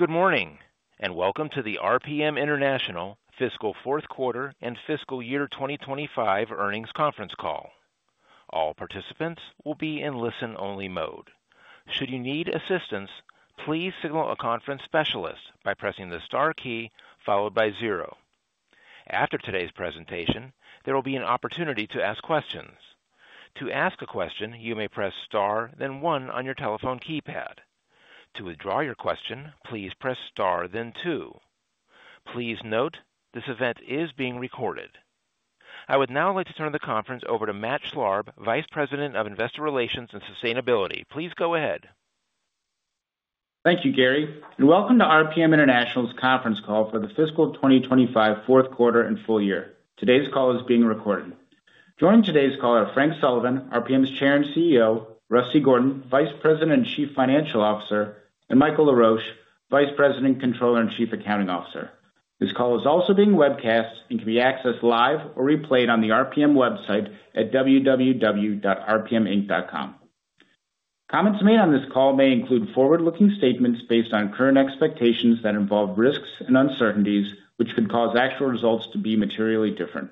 Good morning and welcome to the RPM International fiscal fourth quarter and fiscal year 2025 earnings conference call. All participants will be in listen-only mode. Should you need assistance, please signal a conference specialist by pressing the star key followed by zero. After today's presentation, there will be an opportunity to ask questions. To ask a question, you may press star, then one on your telephone keypad. To withdraw your question, please press star, then two. Please note this event is being recorded. I would now like to turn the conference over to Matt Schlarb, Vice President of Investor Relations and Sustainability. Please go ahead. Thank you, Gary. Welcome to RPM International's conference call for the fiscal 2025 fourth quarter and full year. Today's call is being recorded. Joining today's call are Frank Sullivan, RPM's Chair and CEO, Rusty Gordon, Vice President and Chief Financial Officer, and Michael Laroche, Vice President, Controller, and Chief Accounting Officer. This call is also being webcast and can be accessed live or replayed on the RPM website at www.rpminc.com. Comments made on this call may include forward-looking statements based on current expectations that involve risks and uncertainties, which could cause actual results to be materially different.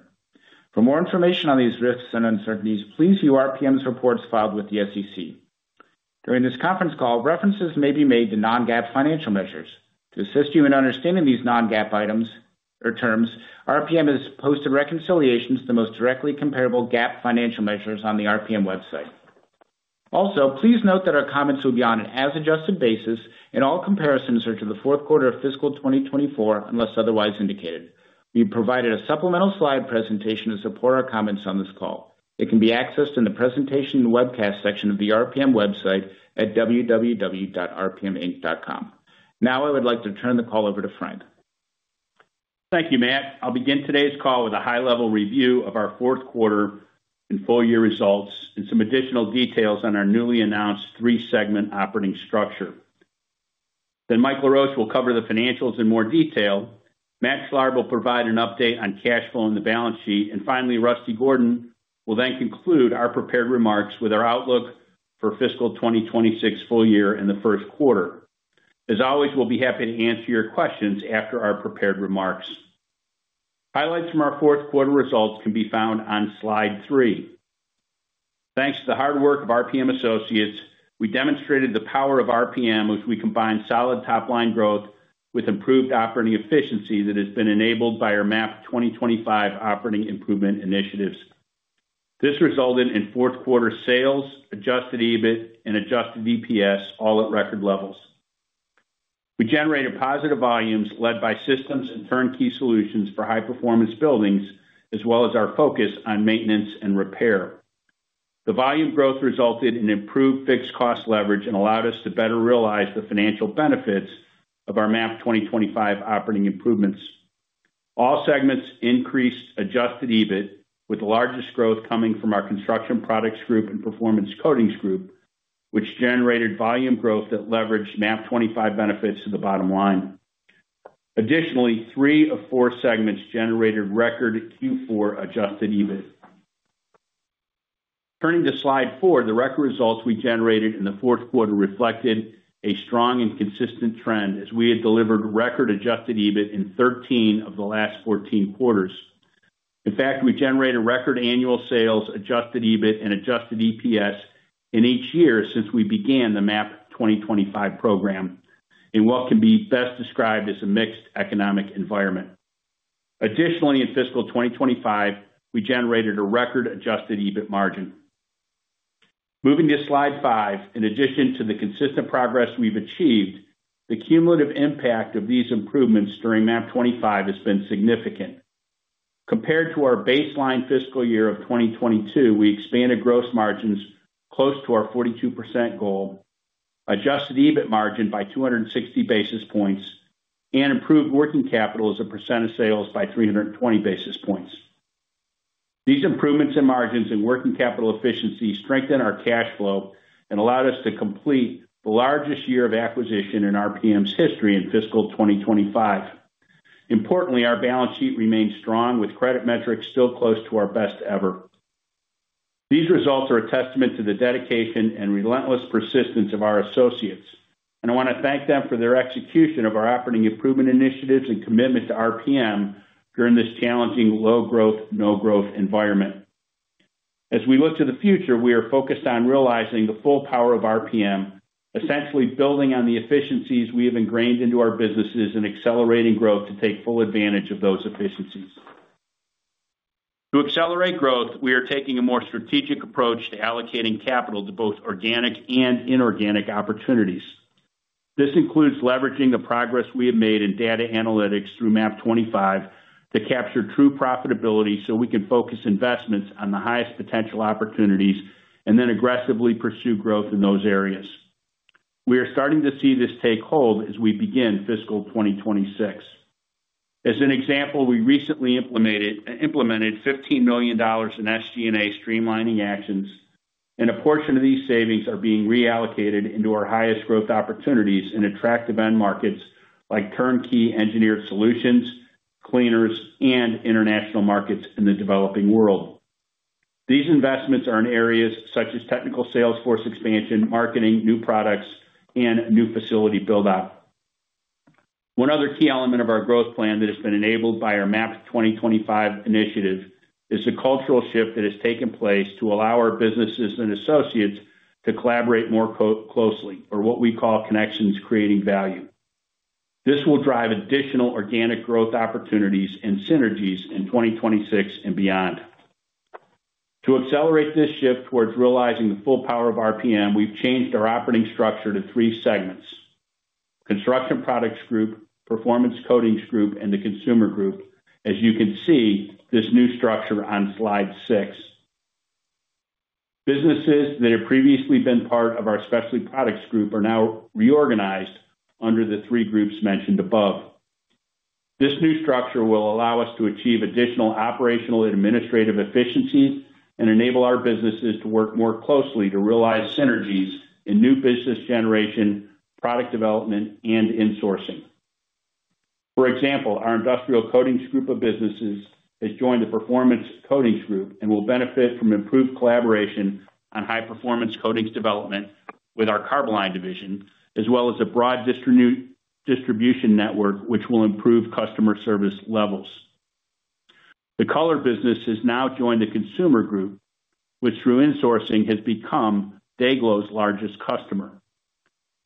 For more information on these risks and uncertainties, please view RPM's reports filed with the SEC. During this conference call, references may be made to non-GAAP financial measures. To assist you in understanding these non-GAAP items or terms, RPM has posted reconciliations to the most directly comparable GAAP financial measures on the RPM website. Also, please note that our comments will be on an as-adjusted basis, and all comparisons are to the fourth quarter of fiscal 2024 unless otherwise indicated. We provided a supplemental slide presentation to support our comments on this call. It can be accessed in the presentation and webcast section of the RPM website at www.rpminc.com. I would like to turn the call over to Frank. Thank you, Matt. I'll begin today's call with a high-level review of our fourth quarter and full year results and some additional details on our newly announced three-segment operating structure. Mike Laroche will cover the financials in more detail. Matt Schlarb will provide an update on cash flow and the balance sheet. Finally, Rusty Gordon will then conclude our prepared remarks with our outlook for fiscal 2026 full year and the first quarter. As always, we'll be happy to answer your questions after our prepared remarks. Highlights from our fourth quarter results can be found on slide three. Thanks to the hard work of RPM associates, we demonstrated the power of RPM as we combined solid top-line growth with improved operating efficiency that has been enabled by our MAP 2025 operating improvement initiatives. This resulted in fourth quarter sales, adjusted EBIT, and adjusted EPS, all at record levels. We generated positive volumes led by systems and turnkey solutions for high-performance buildings, as well as our focus on maintenance and repair. The volume growth resulted in improved fixed cost leverage and allowed us to better realize the financial benefits of our MAP 2025 operating improvements. All segments increased adjusted EBIT, with the largest growth coming from our Construction Products Group and Performance Coatings Group, which generated volume growth that leveraged MAP 2025 benefits to the bottom line. Additionally, three of four segments generated record Q4 adjusted EBIT. Turning to slide four, the record results we generated in the fourth quarter reflected a strong and consistent trend as we had delivered record adjusted EBIT in 13 of the last 14 quarters. In fact, we generated record annual sales, adjusted EBIT, and adjusted EPS in each year since we began the MAP 2025 program. In what can be best described as a mixed economic environment. Additionally, in fiscal 2025, we generated a record adjusted EBIT margin. Moving to slide five, in addition to the consistent progress we've achieved, the cumulative impact of these improvements during MAP 2025 has been significant. Compared to our baseline fiscal year of 2022, we expanded gross margins close to our 42% goal, adjusted EBIT margin by 260 basis points, and improved working capital as a percent of sales by 320 basis points. These improvements in margins and working capital efficiency strengthened our cash flow and allowed us to complete the largest year of acquisition in RPM's history in fiscal 2025. Importantly, our balance sheet remained strong, with credit metrics still close to our best ever. These results are a testament to the dedication and relentless persistence of our associates. I want to thank them for their execution of our operating improvement initiatives and commitment to RPM during this challenging low-growth, no-growth environment. As we look to the future, we are focused on realizing the full power of RPM, essentially building on the efficiencies we have ingrained into our businesses and accelerating growth to take full advantage of those efficiencies. To accelerate growth, we are taking a more strategic approach to allocating capital to both organic and inorganic opportunities. This includes leveraging the progress we have made in data analytics through MAP 2025 to capture true profitability so we can focus investments on the highest potential opportunities and then aggressively pursue growth in those areas. We are starting to see this take hold as we begin fiscal 2026. As an example, we recently implemented $15 million in SG&A streamlining actions, and a portion of these savings are being reallocated into our highest growth opportunities in attractive end markets like turnkey engineered solutions, cleaners, and international markets in the developing world. These investments are in areas such as technical sales force expansion, marketing, new products, and new facility build-out. One other key element of our growth plan that has been enabled by our MAP 2025 initiative is the cultural shift that has taken place to allow our businesses and associates to collaborate more closely, or what we call Connections Creating Value. This will drive additional organic growth opportunities and synergies in 2026 and beyond. To accelerate this shift towards realizing the full power of RPM, we've changed our operating structure to three segments. Construction Products Group, Performance Coatings Group, and the Consumer Group, as you can see this new structure on slide six. Businesses that have previously been part of our Specialty Products Group are now reorganized under the three groups mentioned above. This new structure will allow us to achieve additional operational and administrative efficiencies and enable our businesses to work more closely to realize synergies in new business generation, product development, and insourcing. For example, our Industrial Coatings Group of businesses has joined the Performance Coatings Group and will benefit from improved collaboration on high-performance coatings development with our Carboline division, as well as a broad distribution network, which will improve customer service levels. The Color business has now joined the Consumer Group, which through insourcing has become DayGlo's largest customer.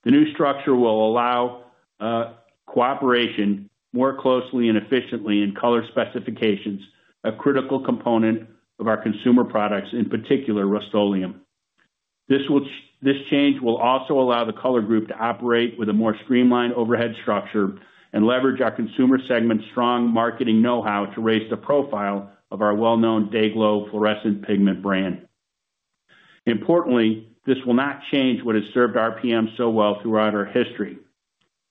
The new structure will allow cooperation more closely and efficiently in color specifications, a critical component of our consumer products, in particular, Rust-Oleum. This change will also allow the color group to operate with a more streamlined overhead structure and leverage our consumer segment's strong marketing know-how to raise the profile of our well-known DayGlo fluorescent pigment brand. Importantly, this will not change what has served RPM so well throughout our history,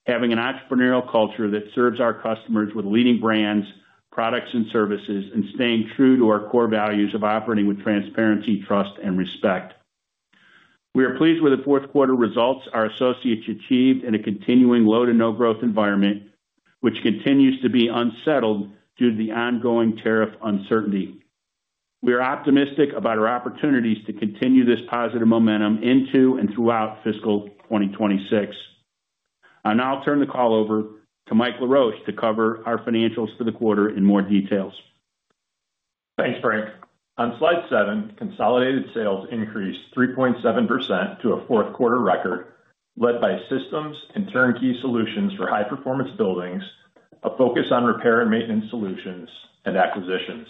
having an entrepreneurial culture that serves our customers with leading brands, products, and services, and staying true to our core values of operating with transparency, trust, and respect. We are pleased with the fourth quarter results our associates achieved in a continuing low-to-no-growth environment, which continues to be unsettled due to the ongoing tariff uncertainty. We are optimistic about our opportunities to continue this positive momentum into and throughout fiscal 2026. I'll turn the call over to Mike Laroche to cover our financials for the quarter in more details. Thanks, Frank. On slide seven, consolidated sales increased 3.7% to a fourth quarter record, led by systems and turnkey solutions for high-performance buildings, a focus on repair and maintenance solutions, and acquisitions.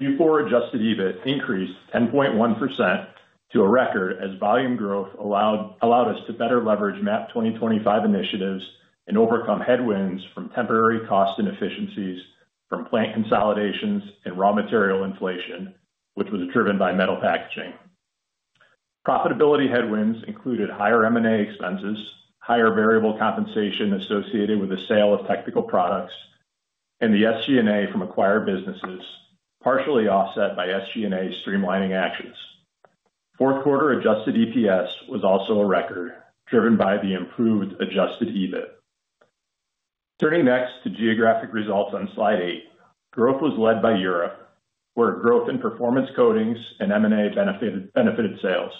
Q4 adjusted EBIT increased 10.1% to a record as volume growth allowed us to better leverage MAP 2025 initiatives and overcome headwinds from temporary cost inefficiencies from plant consolidations and raw material inflation, which was driven by metal packaging. Profitability headwinds included higher M&A expenses, higher variable compensation associated with the sale of technical products, and the SG&A from acquired businesses, partially offset by SG&A streamlining actions. Fourth quarter adjusted EPS was also a record, driven by the improved adjusted EBIT. Turning next to geographic results on slide eight, growth was led by Europe, where growth in performance coatings and M&A benefited sales.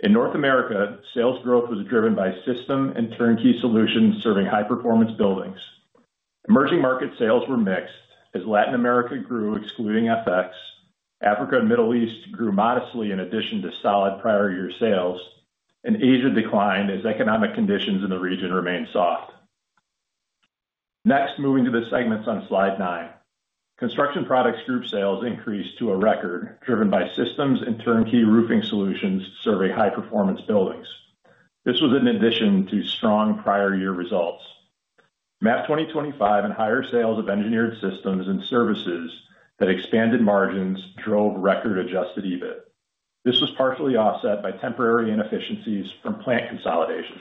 In North America, sales growth was driven by system and turnkey solutions serving high-performance buildings. Emerging market sales were mixed as Latin America grew, excluding FX. Africa and the Middle East grew modestly in addition to solid prior year sales, and Asia declined as economic conditions in the region remained soft. Next, moving to the segments on slide nine, Construction Products Group sales increased to a record, driven by systems and turnkey roofing solutions serving high-performance buildings. This was in addition to strong prior year results. MAP 2025 and higher sales of engineered systems and services that expanded margins drove record adjusted EBIT. This was partially offset by temporary inefficiencies from plant consolidations.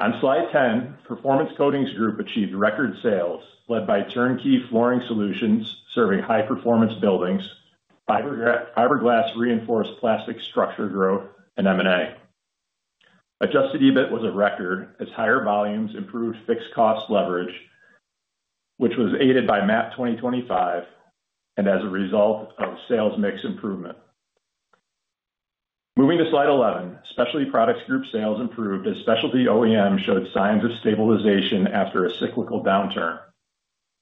On slide 10, Performance Coatings Group achieved record sales, led by turnkey flooring solutions serving high-performance buildings, fiberglass reinforced plastic structure growth, and M&A. Adjusted EBIT was a record as higher volumes improved fixed cost leverage, which was aided by MAP 2025 and as a result of sales mix improvement. Moving to slide 11, Specialty Products Group sales improved as specialty OEMs showed signs of stabilization after a cyclical downturn.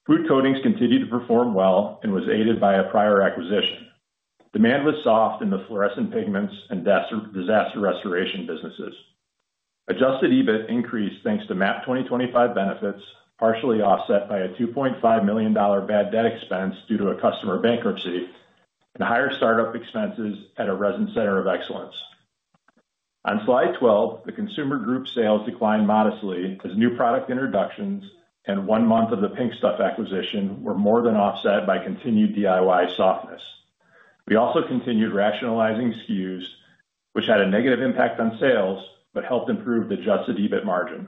Food coatings continued to perform well and was aided by a prior acquisition. Demand was soft in the fluorescent pigments and disaster restoration businesses. Adjusted EBIT increased thanks to MAP 2025 benefits, partially offset by a $2.5 million bad debt expense due to a customer bankruptcy and higher startup expenses at a resin center of excellence. On slide 12, the Consumer Group sales declined modestly as new product introductions and one month of The Pink Stuff acquisition were more than offset by continued DIY softness. We also continued rationalizing SKUs, which had a negative impact on sales but helped improve the adjusted EBIT margin.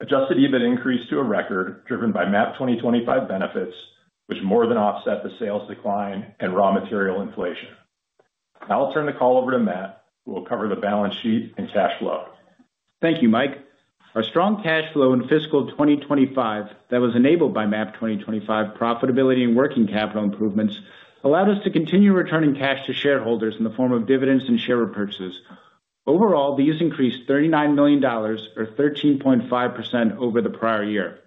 Adjusted EBIT increased to a record, driven by MAP 2025 benefits, which more than offset the sales decline and raw material inflation. I'll turn the call over to Matt, who will cover the balance sheet and cash flow. Thank you, Mike. Our strong cash flow in fiscal 2025 that was enabled by MAP 2025 profitability and working capital improvements allowed us to continue returning cash to shareholders in the form of dividends and share repurchases. Overall, these increased $39 million, or 13.5%, over the prior year.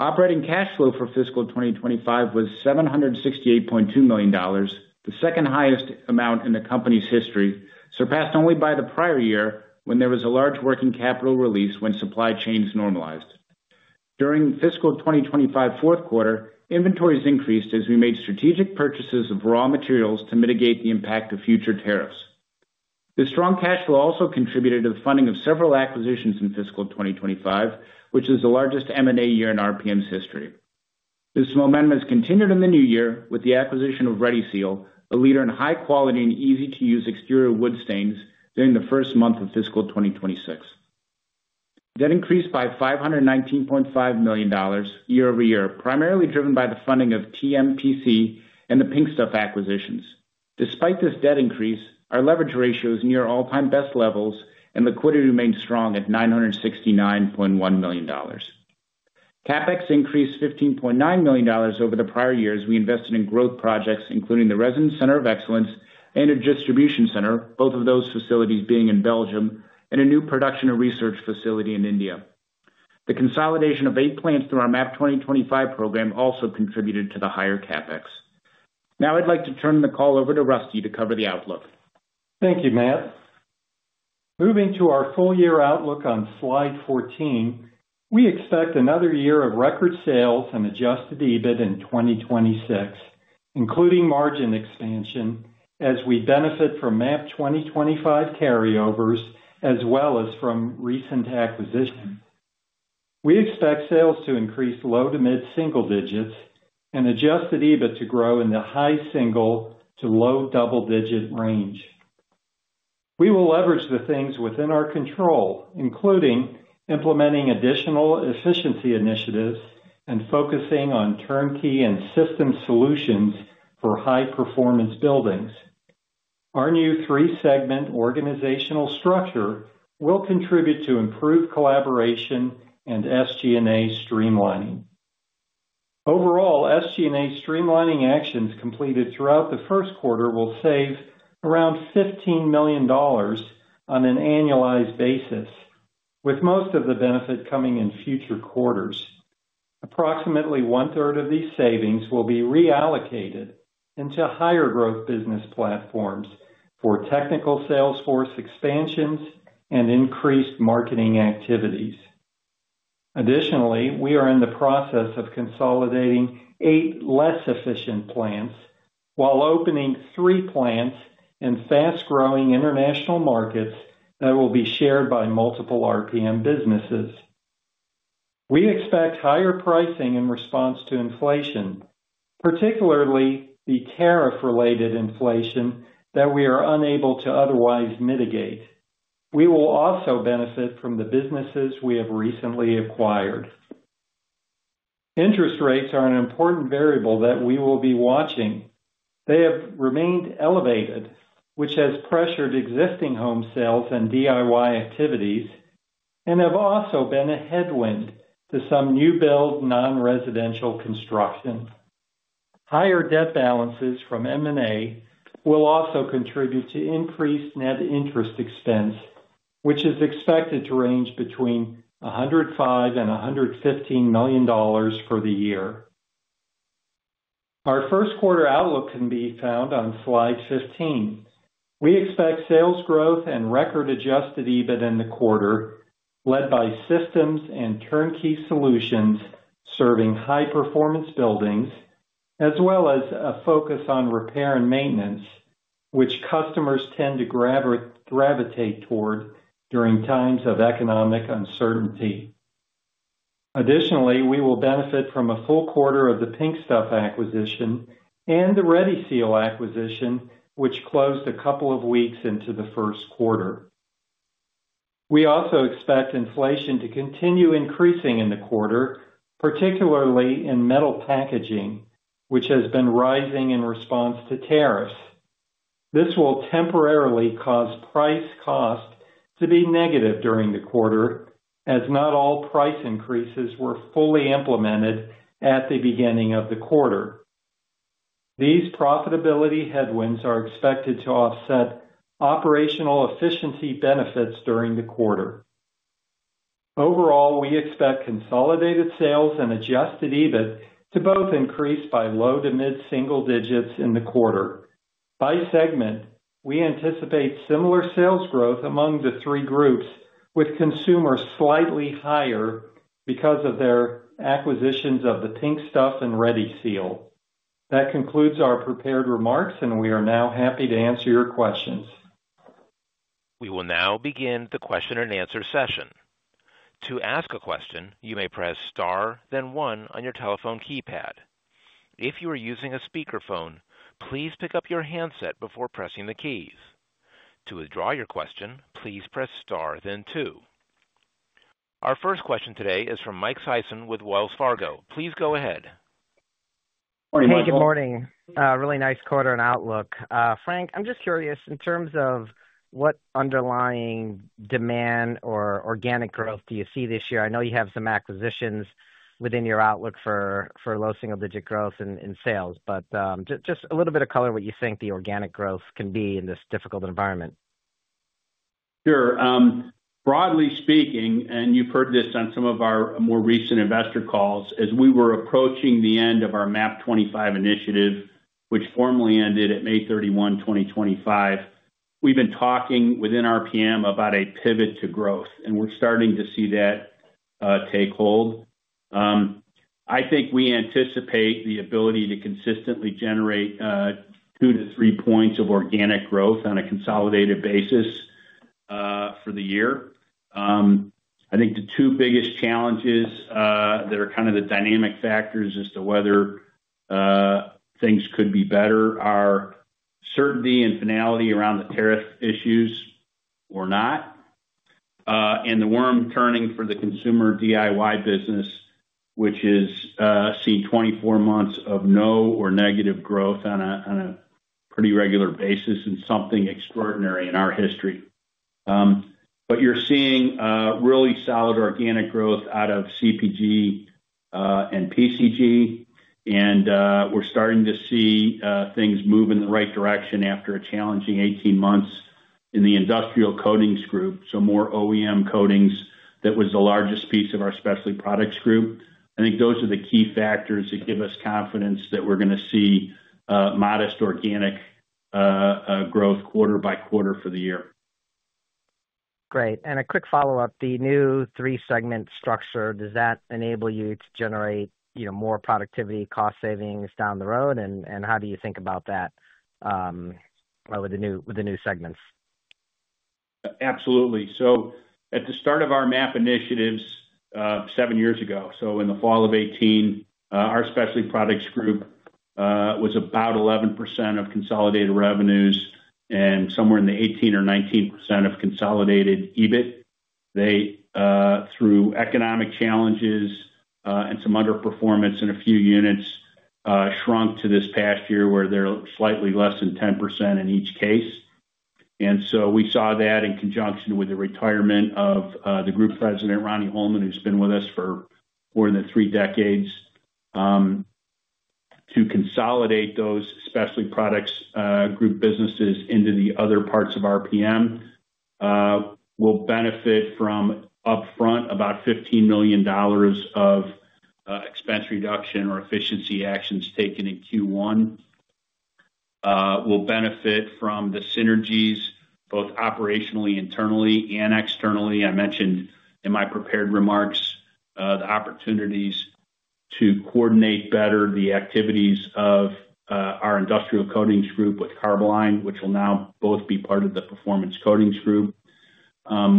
Operating cash flow for fiscal 2025 was $768.2 million, the second highest amount in the company's history, surpassed only by the prior year when there was a large working capital release when supply chains normalized. During fiscal 2025 fourth quarter, inventories increased as we made strategic purchases of raw materials to mitigate the impact of future tariffs. The strong cash flow also contributed to the funding of several acquisitions in fiscal 2025, which is the largest M&A year in RPM's history. This momentum has continued in the new year with the acquisition of Ready Seal, a leader in high-quality and easy-to-use exterior wood stains during the first month of fiscal 2026. Debt increased by $519.5 million year-over-year, primarily driven by the funding of TMPC and The Pink Stuff acquisitions. Despite this debt increase, our leverage ratio is near all-time best levels, and liquidity remains strong at $969.1 million. CapEx increased $15.9 million over the prior year as we invested in growth projects, including the Resin Center of Excellence and a distribution center, both of those facilities being in Belgium, and a new production and research facility in India. The consolidation of eight plants through our MAP 2025 program also contributed to the higher CapEx. Now I'd like to turn the call over to Rusty to cover the outlook. Thank you, Matt. Moving to our full year outlook on slide 14, we expect another year of record sales and adjusted EBIT in 2026, including margin expansion, as we benefit from MAP 2025 carryovers as well as from recent acquisitions. We expect sales to increase low to mid-single-digits and adjusted EBIT to grow in the high single to low double-digit range. We will leverage the things within our control, including implementing additional efficiency initiatives and focusing on turnkey and system solutions for high-performance buildings. Our new three-segment organizational structure will contribute to improved collaboration and SG&A streamlining. Overall, SG&A streamlining actions completed throughout the first quarter will save around $15 million on an annualized basis, with most of the benefit coming in future quarters. Approximately 1/3 of these savings will be reallocated into higher growth business platforms for technical sales force expansions and increased marketing activities. Additionally, we are in the process of consolidating eight less efficient plants while opening three plants in fast-growing international markets that will be shared by multiple RPM businesses. We expect higher pricing in response to inflation, particularly the tariff-related inflation that we are unable to otherwise mitigate. We will also benefit from the businesses we have recently acquired. Interest rates are an important variable that we will be watching. They have remained elevated, which has pressured existing home sales and DIY activities and have also been a headwind to some new-build non-residential construction. Higher debt balances from M&A will also contribute to increased net interest expense, which is expected to range between $105-$115 million for the year. Our first quarter outlook can be found on slide 15. We expect sales growth and record-adjusted EBIT in the quarter, led by systems and turnkey solutions serving high-performance buildings, as well as a focus on repair and maintenance, which customers tend to gravitate toward during times of economic uncertainty. Additionally, we will benefit from a full quarter of The Pink Stuff acquisition and the Ready Seal acquisition, which closed a couple of weeks into the first quarter. We also expect inflation to continue increasing in the quarter, particularly in metal packaging, which has been rising in response to tariffs. This will temporarily cause price/cost to be negative during the quarter, as not all price increases were fully implemented at the beginning of the quarter. These profitability headwinds are expected to offset operational efficiency benefits during the quarter. Overall, we expect consolidated sales and adjusted EBIT to both increase by low to mid-single-digits in the quarter. By segment, we anticipate similar sales growth among the three groups, with Consumer slightly higher because of their acquisitions of The Pink Stuff and Ready Seal. That concludes our prepared remarks, and we are now happy to answer your questions. We will now begin the question-and-answer session. To ask a question, you may press star, then one on your telephone keypad. If you are using a speakerphone, please pick up your handset before pressing the keys. To withdraw your question, please press star, then two. Our first question today is from Mike Sison with Wells Fargo. Please go ahead. Hey, good morning. Really nice quarter and outlook. Frank, I'm just curious in terms of what underlying demand or organic growth do you see this year? I know you have some acquisitions within your outlook for low single digit growth in sales, but just a little bit of color what you think the organic growth can be in this difficult environment. Sure. Broadly speaking, and you've heard this on some of our more recent investor calls, as we were approaching the end of our MAP 2025 initiative, which formally ended at May 31, 2025, we've been talking within RPM about a pivot to growth, and we're starting to see that take hold. I think we anticipate the ability to consistently generate two to three points of organic growth on a consolidated basis for the year. I think the two biggest challenges that are kind of the dynamic factors as to whether things could be better are certainty and finality around the tariff issues or not, and the worm turning for the consumer DIY business, which has seen 24 months of no or negative growth on a pretty regular basis and something extraordinary in our history. You're seeing really solid organic growth out of CPG and PCG, and we're starting to see things move in the right direction after a challenging 18 months in the Industrial Coatings Group, so more OEM coatings that was the largest piece of our Specialty Products Group. I think those are the key factors that give us confidence that we're going to see modest organic growth quarter by quarter for the year. Great. A quick follow-up, the new three-segment structure, does that enable you to generate more productivity, cost savings down the road? How do you think about that with the new segments? Absolutely. At the start of our MAP initiatives seven years ago, in the fall of 2018, our Specialty Products Group was about 11% of consolidated revenues and somewhere in the 18% or 19% of consolidated EBIT. They, through economic challenges and some underperformance in a few units, shrunk to this past year where they are slightly less than 10% in each case. We saw that in conjunction with the retirement of the Group President, Ronnie Holman, who has been with us for more than three decades. To consolidate those Specialty Products Group businesses into the other parts of RPM will benefit us upfront by about $15 million of expense reduction or efficiency actions taken in Q1. We will benefit from the synergies, both operationally, internally, and externally. I mentioned in my prepared remarks the opportunities to coordinate better the activities of our Industrial Coatings Group with Carboline, which will now both be part of the Performance Coatings Group.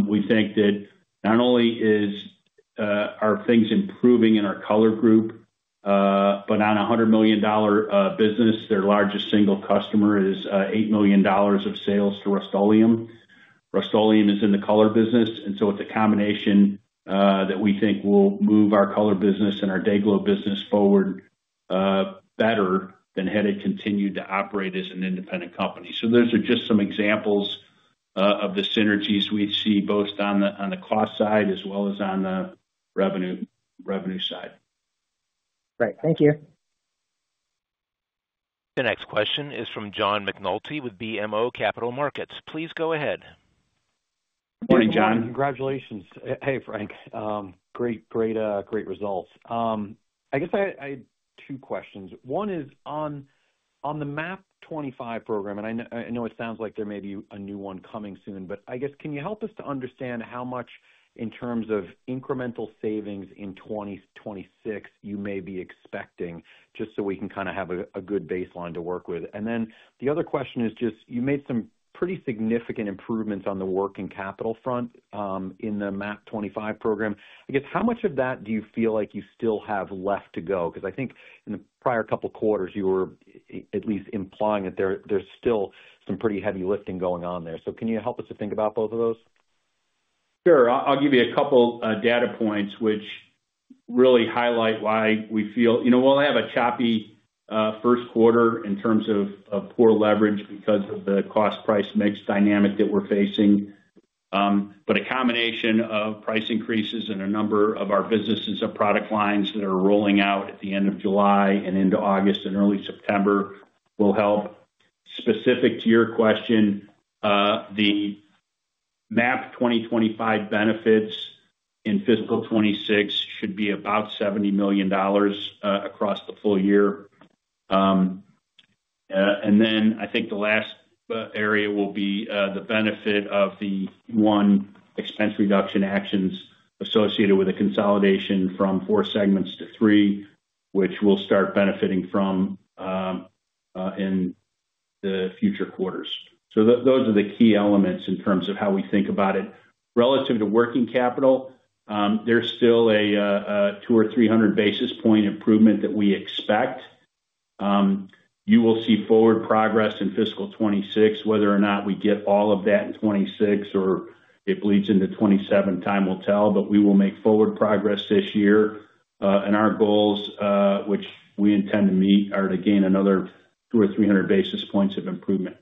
We think that not only are things improving in our Color Group, but on a $100 million business, their largest single customer is $8 million of sales to Rust-Oleum. Rust-Oleum is in the color business, and it is a combination that we think will move our Color business and our DayGlo business forward better than had it continued to operate as an independent company. Those are just some examples of the synergies we see both on the cost side as well as on the revenue side. Great. Thank you. The next question is from John McNulty with BMO Capital Markets. Please go ahead. Good morning, John. Congratulations. Hey, Frank. Great, great results. I guess I had two questions. One is on the MAP 2025 program, and I know it sounds like there may be a new one coming soon, but I guess can you help us to understand how much in terms of incremental savings in 2026 you may be expecting, just so we can kind of have a good baseline to work with? The other question is just you made some pretty significant improvements on the working capital front in the MAP 2025 program. I guess how much of that do you feel like you still have left to go? Because I think in the prior couple of quarters, you were at least implying that there's still some pretty heavy lifting going on there. Can you help us to think about both of those? Sure. I'll give you a couple of data points which really highlight why we feel, you know, I have a choppy first quarter in terms of poor leverage because of the cost-price mix dynamic that we're facing. A combination of price increases and a number of our businesses or product lines that are rolling out at the end of July and into August and early September will help. Specific to your question, the MAP 2025 benefits in fiscal 2026 should be about $70 million across the full year. I think the last area will be the benefit of the expense reduction actions associated with a consolidation from four segments to three, which we will start benefiting from in the future quarters. Those are the key elements in terms of how we think about it. Relative to working capital, there's still a 200 basis points-300 basis point improvement that we expect. You will see forward progress in fiscal 2026. Whether or not we get all of that in 2026 or it bleeds into 2027, time will tell, but we will make forward progress this year. Our goals, which we intend to meet, are to gain another 200 basis points-300 basis points of improvement.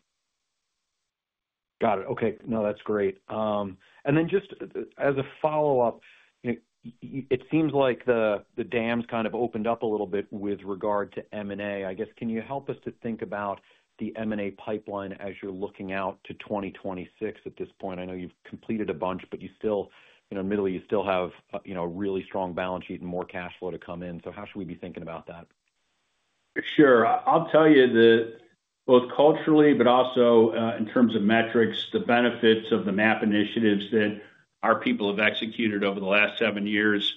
Got it. Okay. No, that's great. Just as a follow-up. It seems like the dams kind of opened up a little bit with regard to M&A. I guess can you help us to think about the M&A pipeline as you're looking out to 2026 at this point? I know you've completed a bunch, but you still, admittedly, you still have a really strong balance sheet and more cash flow to come in. How should we be thinking about that? Sure. I'll tell you that both culturally, but also in terms of metrics, the benefits of the MAP initiatives that our people have executed over the last seven years.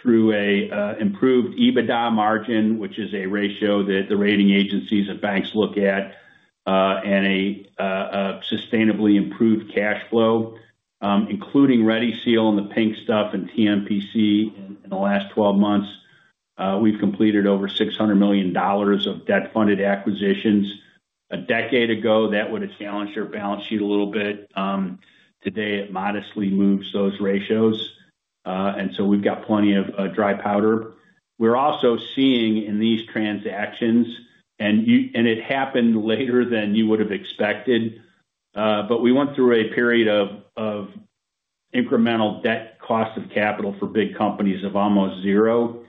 Through an improved EBITDA margin, which is a ratio that the rating agencies and banks look at. And a sustainably improved cash flow. Including Ready Seal and The Pink Stuff and TMPC in the last 12 months, we've completed over $600 million of debt-funded acquisitions. A decade ago, that would have challenged your balance sheet a little bit. Today, it modestly moves those ratios. We've got plenty of dry powder. We're also seeing in these transactions, and it happened later than you would have expected. We went through a period of incremental debt cost of capital for big companies of almost zero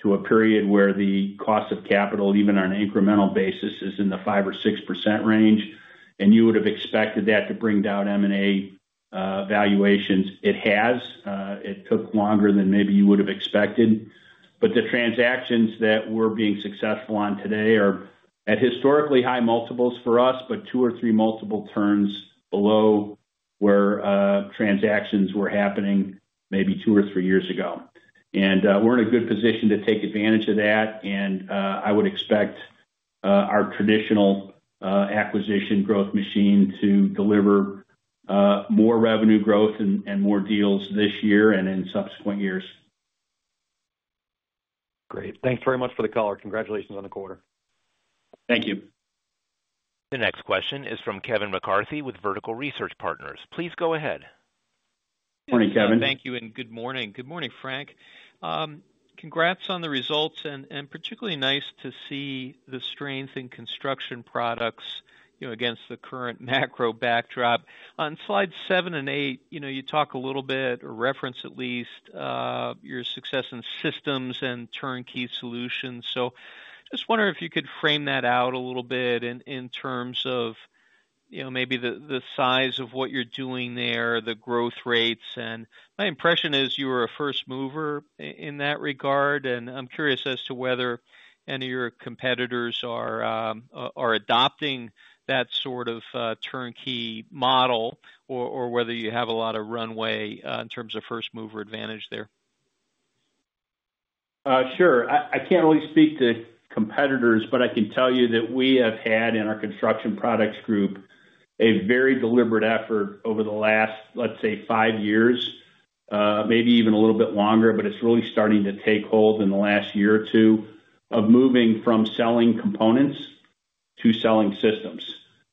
to a period where the cost of capital, even on an incremental basis, is in the 5%-6% range. You would have expected that to bring down M&A valuations. It has. It took longer than maybe you would have expected. The transactions that we're being successful on today are at historically high multiples for us, but two or three multiple turns below where transactions were happening maybe two or three years ago. We're in a good position to take advantage of that. I would expect our traditional acquisition growth machine to deliver more revenue growth and more deals this year and in subsequent years. Great. Thanks very much for the call. Congratulations on the quarter. Thank you. The next question is from Kevin McCarthy with Vertical Research Partners. Please go ahead. Good morning, Kevin. Thank you. And good morning. Good morning, Frank. Congrats on the results. Particularly nice to see the strength in construction products against the current macro backdrop. On slides seven and eight, you talk a little bit or reference at least your success in systems and turnkey solutions. Just wondering if you could frame that out a little bit in terms of maybe the size of what you're doing there, the growth rates. My impression is you were a first mover in that regard. I'm curious as to whether any of your competitors are adopting that sort of turnkey model or whether you have a lot of runway in terms of first mover advantage there. Sure. I can't really speak to competitors, but I can tell you that we have had in our Construction Products Group a very deliberate effort over the last, let's say, five years, maybe even a little bit longer, but it's really starting to take hold in the last year or two of moving from selling components to selling systems.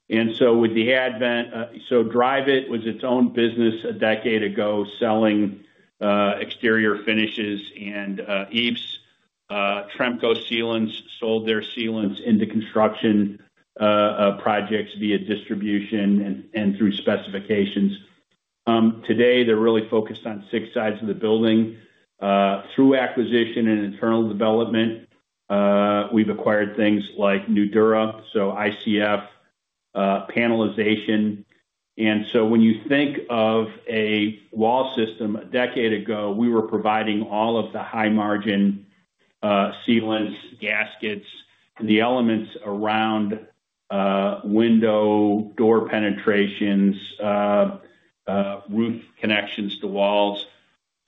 With the advent, so Dryvit was its own business a decade ago, selling exterior finishes and eaves. Tremco Sealants sold their sealants into construction projects via distribution and through specifications. Today, they're really focused on six sides of the building through acquisition and internal development. We've acquired things like Nudura, so ICF, panelization. When you think of a wall system a decade ago, we were providing all of the high-margin sealants, gaskets, and the elements around window, door penetrations, roof connections to walls.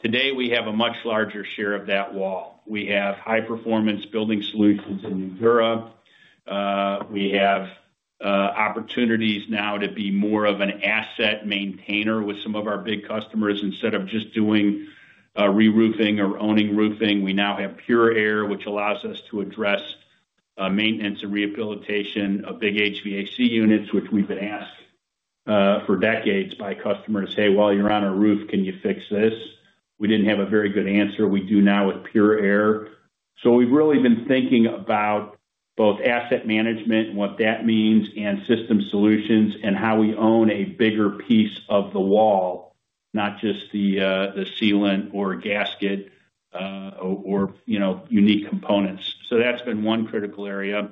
Today, we have a much larger share of that wall. We have high-performance building solutions in Nudura. We have opportunities now to be more of an asset maintainer with some of our big customers instead of just doing re-roofing or owning roofing. We now have Pure Air, which allows us to address maintenance and rehabilitation of big HVAC units, which we've been asked for decades by customers, "Hey, while you're on a roof, can you fix this?" We didn't have a very good answer. We do now with Pure Air. We've really been thinking about both asset management and what that means and system solutions and how we own a bigger piece of the wall, not just the sealant or gasket or unique components. That's been one critical area.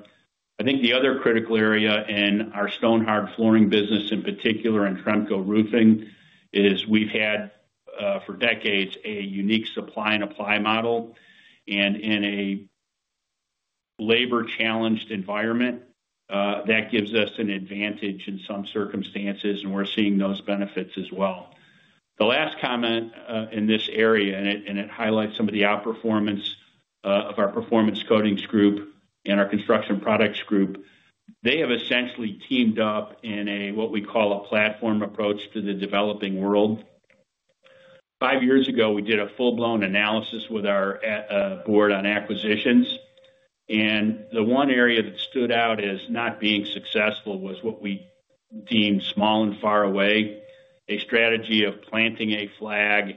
I think the other critical area in our Stonhard flooring business in particular and Tremco roofing is we've had for decades a unique supply and apply model. In a labor-challenged environment, that gives us an advantage in some circumstances. We're seeing those benefits as well. The last comment in this area, and it highlights some of the outperformance of our Performance Coatings Group and our Construction Products Group, they have essentially teamed up in what we call a platform approach to the developing world. Five years ago, we did a full-blown analysis with our Board on acquisitions. The one area that stood out as not being successful was what we deemed small and far away, a strategy of planting a flag,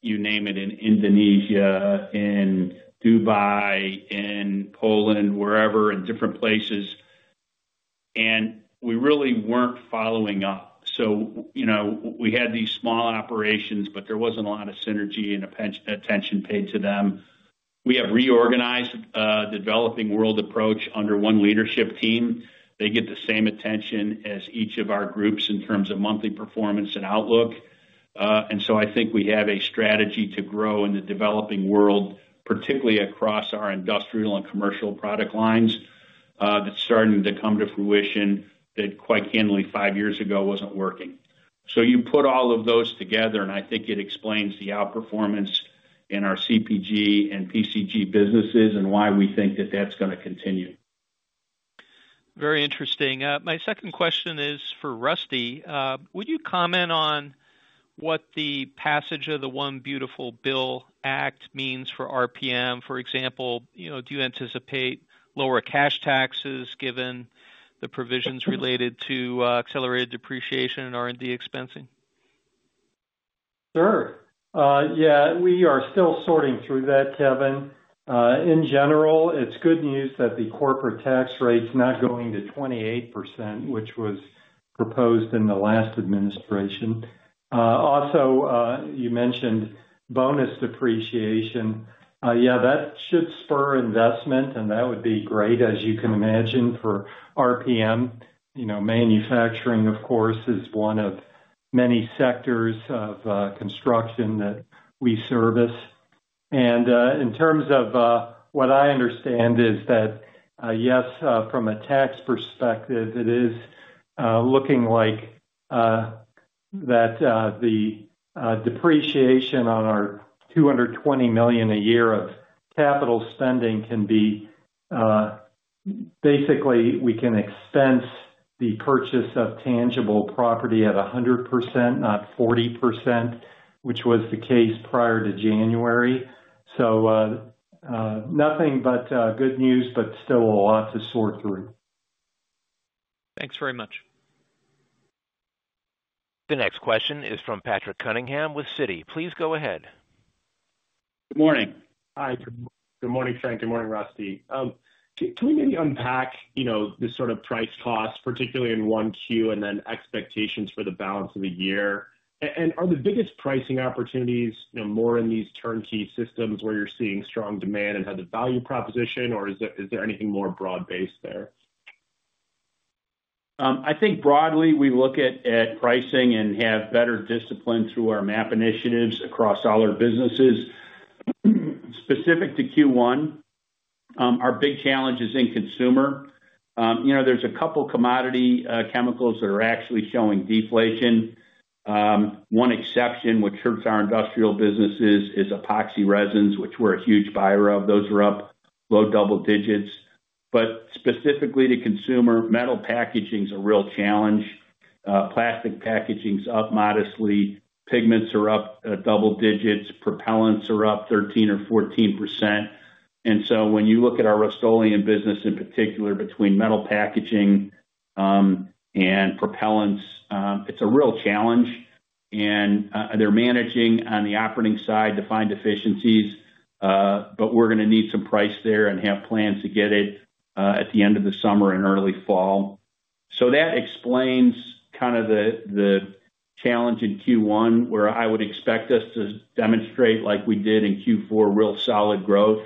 you name it, in Indonesia, in Dubai, in Poland, wherever, in different places. We really weren't following up. We had these small operations, but there wasn't a lot of synergy and attention paid to them. We have reorganized the developing world approach under one leadership team. They get the same attention as each of our groups in terms of monthly performance and outlook. I think we have a strategy to grow in the developing world, particularly across our industrial and commercial product lines that's starting to come to fruition that, quite candidly, five years ago wasn't working. You put all of those together, and I think it explains the outperformance in our CPG and PCG businesses and why we think that that's going to continue. Very interesting. My second question is for Rusty. Would you comment on what the passage of the One Beautiful Bill Act means for RPM? For example, do you anticipate lower cash taxes given the provisions related to accelerated depreciation and R&D expensing? Sure. Yeah. We are still sorting through that, Kevin. In general, it's good news that the corporate tax rate's not going to 28%, which was proposed in the last administration. Also, you mentioned bonus depreciation. Yeah, that should spur investment, and that would be great, as you can imagine, for RPM. Manufacturing, of course, is one of many sectors of construction that we service. In terms of what I understand is that, yes, from a tax perspective, it is looking like the depreciation on our $220 million a year of capital spending can be, basically, we can expense the purchase of tangible property at 100%, not 40%, which was the case prior to January. Nothing but good news, but still a lot to sort through. Thanks very much. The next question is from Patrick Cunningham with Citi. Please go ahead. Good morning. Hi. Good morning, Frank. Good morning, Rusty. Can we maybe unpack this sort of price/cost, particularly in 1Q, and then expectations for the balance of the year? Are the biggest pricing opportunities more in these turnkey systems where you're seeing strong demand and have the value proposition, or is there anything more broad-based there? I think broadly, we look at pricing and have better discipline through our MAP initiatives across all our businesses. Specific to Q1, our big challenge is in consumer. There's a couple of commodity chemicals that are actually showing deflation. One exception, which hurts our industrial businesses, is epoxy resins, which we're a huge buyer of. Those are up low double-digits. Specifically to consumer, metal packaging is a real challenge. Plastic packaging's up modestly. Pigments are up double-digits. Propellants are up 13% or 14%. When you look at our Rust-Oleum business in particular, between metal packaging and propellants, it's a real challenge. They're managing on the operating side to find efficiencies. We're going to need some price there and have plans to get it at the end of the summer and early fall. That explains kind of the challenge in Q1, where I would expect us to demonstrate, like we did in Q4, real solid growth,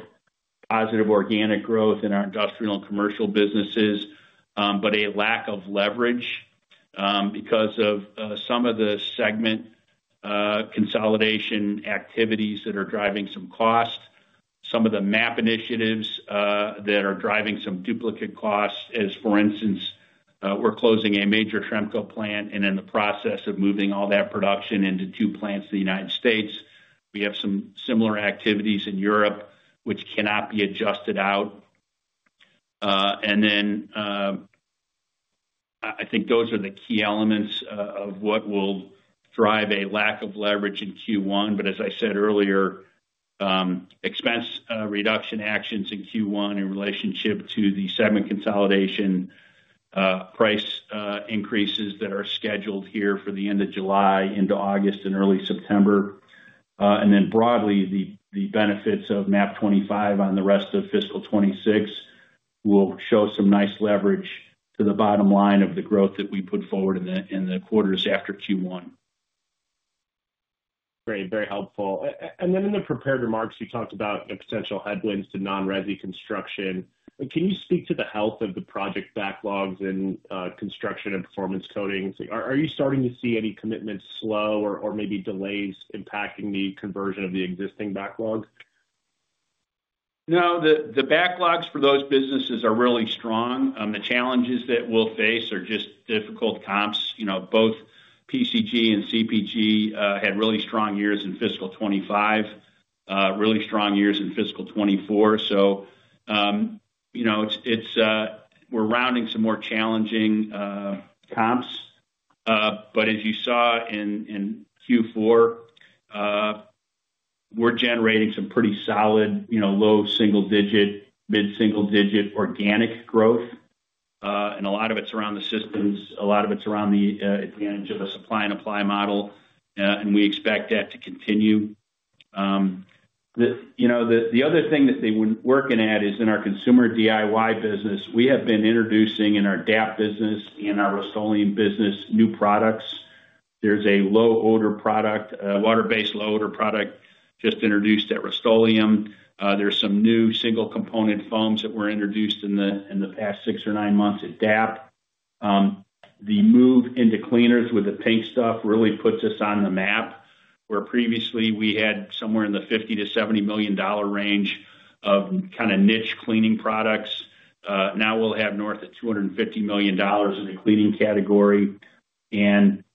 positive organic growth in our industrial and commercial businesses, but a lack of leverage because of some of the segment consolidation activities that are driving some cost. Some of the MAP initiatives are driving some duplicate costs, as for instance, we're closing a major Tremco plant and in the process of moving all that production into two plants in the United States. We have some similar activities in Europe, which cannot be adjusted out. I think those are the key elements of what will drive a lack of leverage in Q1. As I said earlier, expense reduction actions in Q1 in relationship to the segment consolidation, price increases that are scheduled here for the end of July, into August, and early September, and then broadly, the benefits of MAP 2025 on the rest of fiscal 2026 will show some nice leverage to the bottom line of the growth that we put forward in the quarters after Q1. Great. Very helpful. In the prepared remarks, you talked about potential headwinds to non-Ready construction. Can you speak to the health of the project backlogs in construction and performance coatings? Are you starting to see any commitments slow or maybe delays impacting the conversion of the existing backlog? No. The backlogs for those businesses are really strong. The challenges that we'll face are just difficult comps. Both PCG and CPG had really strong years in fiscal 2025. Really strong years in fiscal 2024. We are rounding some more challenging comps. As you saw in Q4, we are generating some pretty solid low single-digit, mid-single-digit organic growth. A lot of it is around the systems. A lot of it is around the advantage of a supply and apply model. We expect that to continue. The other thing that they were working at is in our consumer DIY business. We have been introducing in our DAP business and our Rust-Oleum business new products. There is a low-odor product, a water-based low-odor product just introduced at Rust-Oleum. There are some new single-component foams that were introduced in the past six or nine months at DAP. The move into cleaners with The Pink Stuff really puts us on the map. Where previously we had somewhere in the $50 million-$70 million range of kind of niche cleaning products, now we will have north of $250 million in the cleaning category.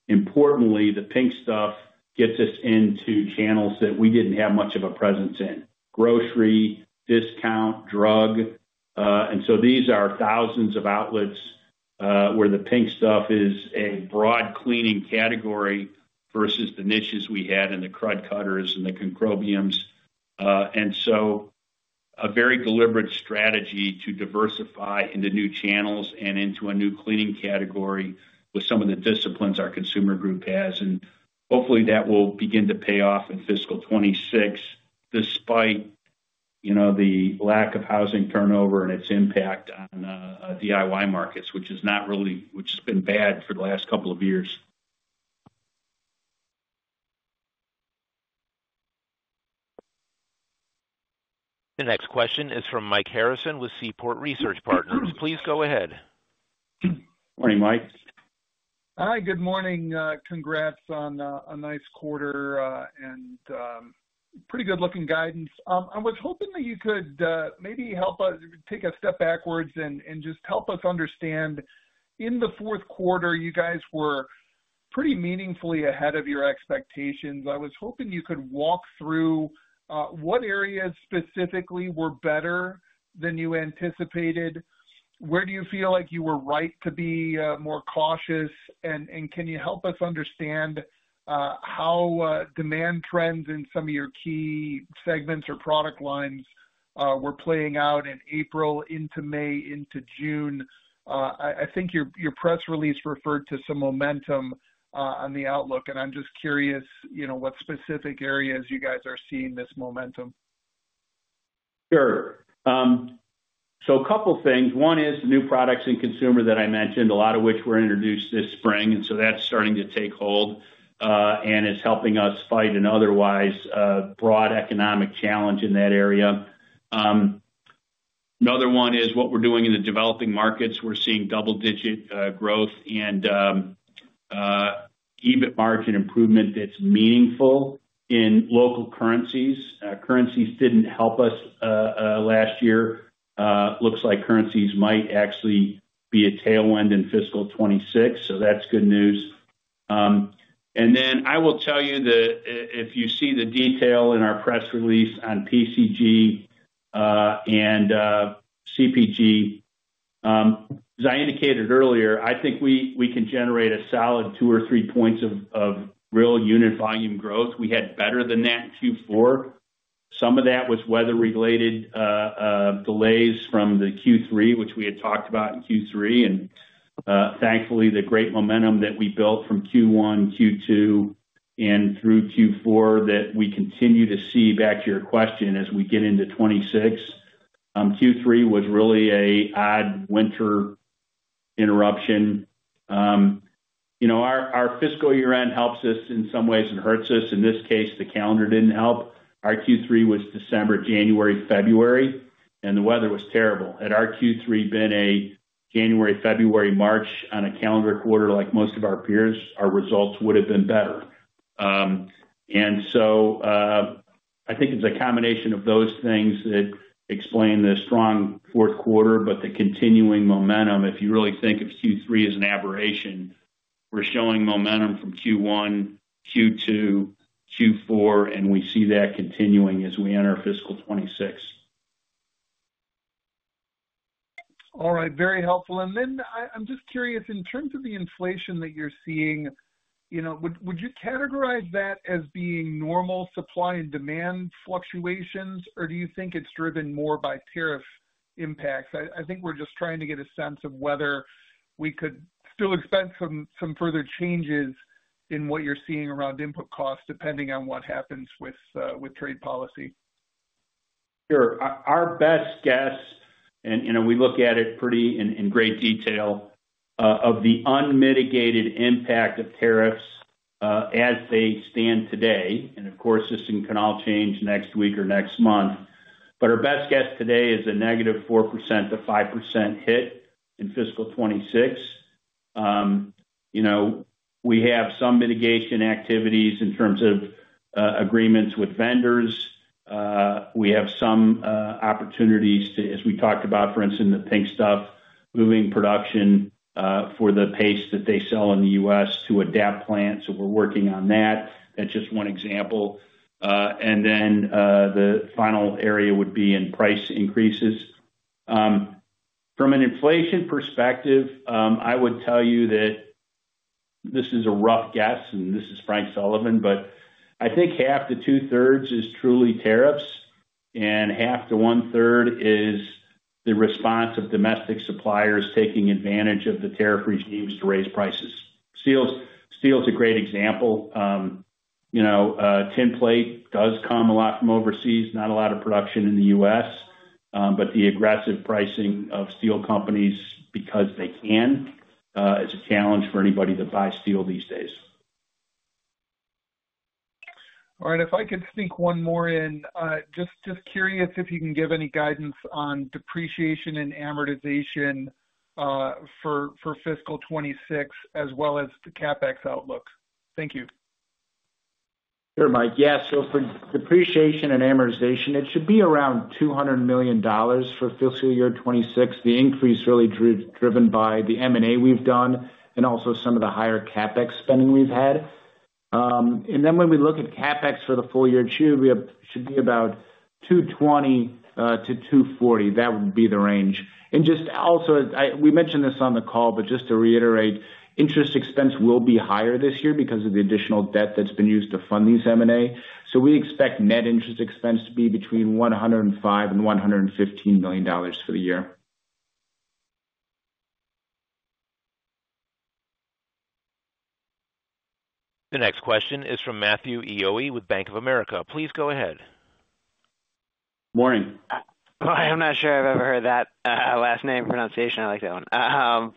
Importantly, The Pink Stuff gets us into channels that we did not have much of a presence in: grocery, discount, drug. These are thousands of outlets where The Pink Stuff is a broad cleaning category versus the niches we had in the Krud Kutter and the Concrobium. A very deliberate strategy to diversify into new channels and into a new cleaning category with some of the disciplines our Consumer Group has. Hopefully, that will begin to pay off in fiscal 2026. Despite the lack of housing turnover and its impact on DIY markets, which has not really been bad for the last couple of years. The next question is from Mike Harrison with Seaport Research Partners. Please go ahead. Morning, Mike. Hi. Good morning. Congrats on a nice quarter and pretty good-looking guidance. I was hoping that you could maybe help us take a step backwards and just help us understand. In the fourth quarter, you guys were pretty meaningfully ahead of your expectations. I was hoping you could walk through what areas specifically were better than you anticipated. Where do you feel like you were right to be more cautious? Can you help us understand how demand trends in some of your key segments or product lines were playing out in April into May into June? I think your press release referred to some momentum on the outlook, and I'm just curious what specific areas you guys are seeing this momentum. Sure. A couple of things. One is the new products in consumer that I mentioned, a lot of which were introduced this spring. That is starting to take hold and is helping us fight an otherwise broad economic challenge in that area. Another one is what we are doing in the developing markets. We are seeing double-digit growth and EBIT margin improvement that is meaningful in local currencies. Currencies did not help us last year. It looks like currencies might actually be a tailwind in fiscal 2026, so that is good news. I will tell you that if you see the detail in our press release on PCG and CPG, as I indicated earlier, I think we can generate a solid two or three points of real unit volume growth. We had better than that in Q4. Some of that was weather-related delays from Q3, which we had talked about in Q3. Thankfully, the great momentum that we built from Q1, Q2, and through Q4 that we continue to see, back to your question, as we get into 2026. Q3 was really an odd winter interruption. Our fiscal year-end helps us in some ways and hurts us. In this case, the calendar did not help. Our Q3 was December, January, February, and the weather was terrible. Had our Q3 been a January, February, March on a calendar quarter like most of our peers, our results would have been better. I think it is a combination of those things that explain the strong fourth quarter, but the continuing momentum. If you really think of Q3 as an aberration, we are showing momentum from Q1, Q2, Q4, and we see that continuing as we enter fiscal 2026. All right. Very helpful. I am just curious, in terms of the inflation that you are seeing. Would you categorize that as being normal supply and demand fluctuations, or do you think it is driven more by tariff impacts? I think we are just trying to get a sense of whether we could still expect some further changes in what you are seeing around input costs, depending on what happens with trade policy. Sure. Our best guess, and we look at it pretty in great detail. Of the unmitigated impact of tariffs as they stand today. Of course, this can all change next week or next month. Our best guess today is a negative 4%-5% hit in fiscal 2026. We have some mitigation activities in terms of agreements with vendors. We have some opportunities to, as we talked about, for instance, The Pink Stuff, moving production for the paste that they sell in the U.S. to a DAP plant. We are working on that. That is just one example. The final area would be in price increases. From an inflation perspective, I would tell you that this is a rough guess, and this is Frank Sullivan, but I think 1/2-2/3 is truly tariffs, and 1/2-1/3 is the response of domestic suppliers taking advantage of the tariff regimes to raise prices. Steel is a great example. Tin plate does come a lot from overseas, not a lot of production in the U.S. The aggressive pricing of steel companies because they can is a challenge for anybody that buys steel these days. All right. If I could sneak one more in, just curious if you can give any guidance on depreciation and amortization for fiscal 2026 as well as the CapEx outlook. Thank you. Sure, Mike. Yeah. So for depreciation and amortization, it should be around $200 million for fiscal year 2026. The increase is really driven by the M&A we've done and also some of the higher CapEx spending we've had. When we look at CapEx for the full year too, it should be about $220 million-$240 million. That would be the range. Just also, we mentioned this on the call, but just to reiterate, interest expense will be higher this year because of the additional debt that's been used to fund these M&A. We expect net interest expense to be between $105 million and $115 million for the year. The next question is from Matthew DeYoe with Bank of America. Please go ahead. Morning. I'm not sure I've ever heard that last name pronunciation. I like that one.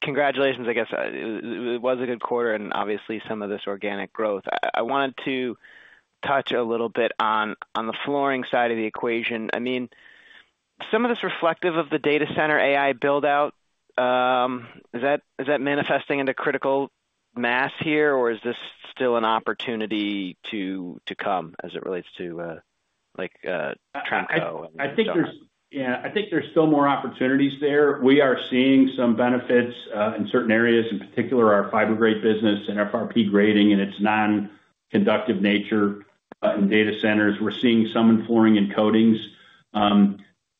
Congratulations. I guess it was a good quarter and obviously some of this organic growth. I wanted to touch a little bit on the flooring side of the equation. I mean, some of this reflective of the data center AI buildout. Is that manifesting into critical mass here, or is this still an opportunity to come as it relates to Tremco? I think there's still more opportunities there. We are seeing some benefits in certain areas, in particular our Fibergrate business and FRP grading and its non-conductive nature in data centers. We're seeing some in flooring and coatings.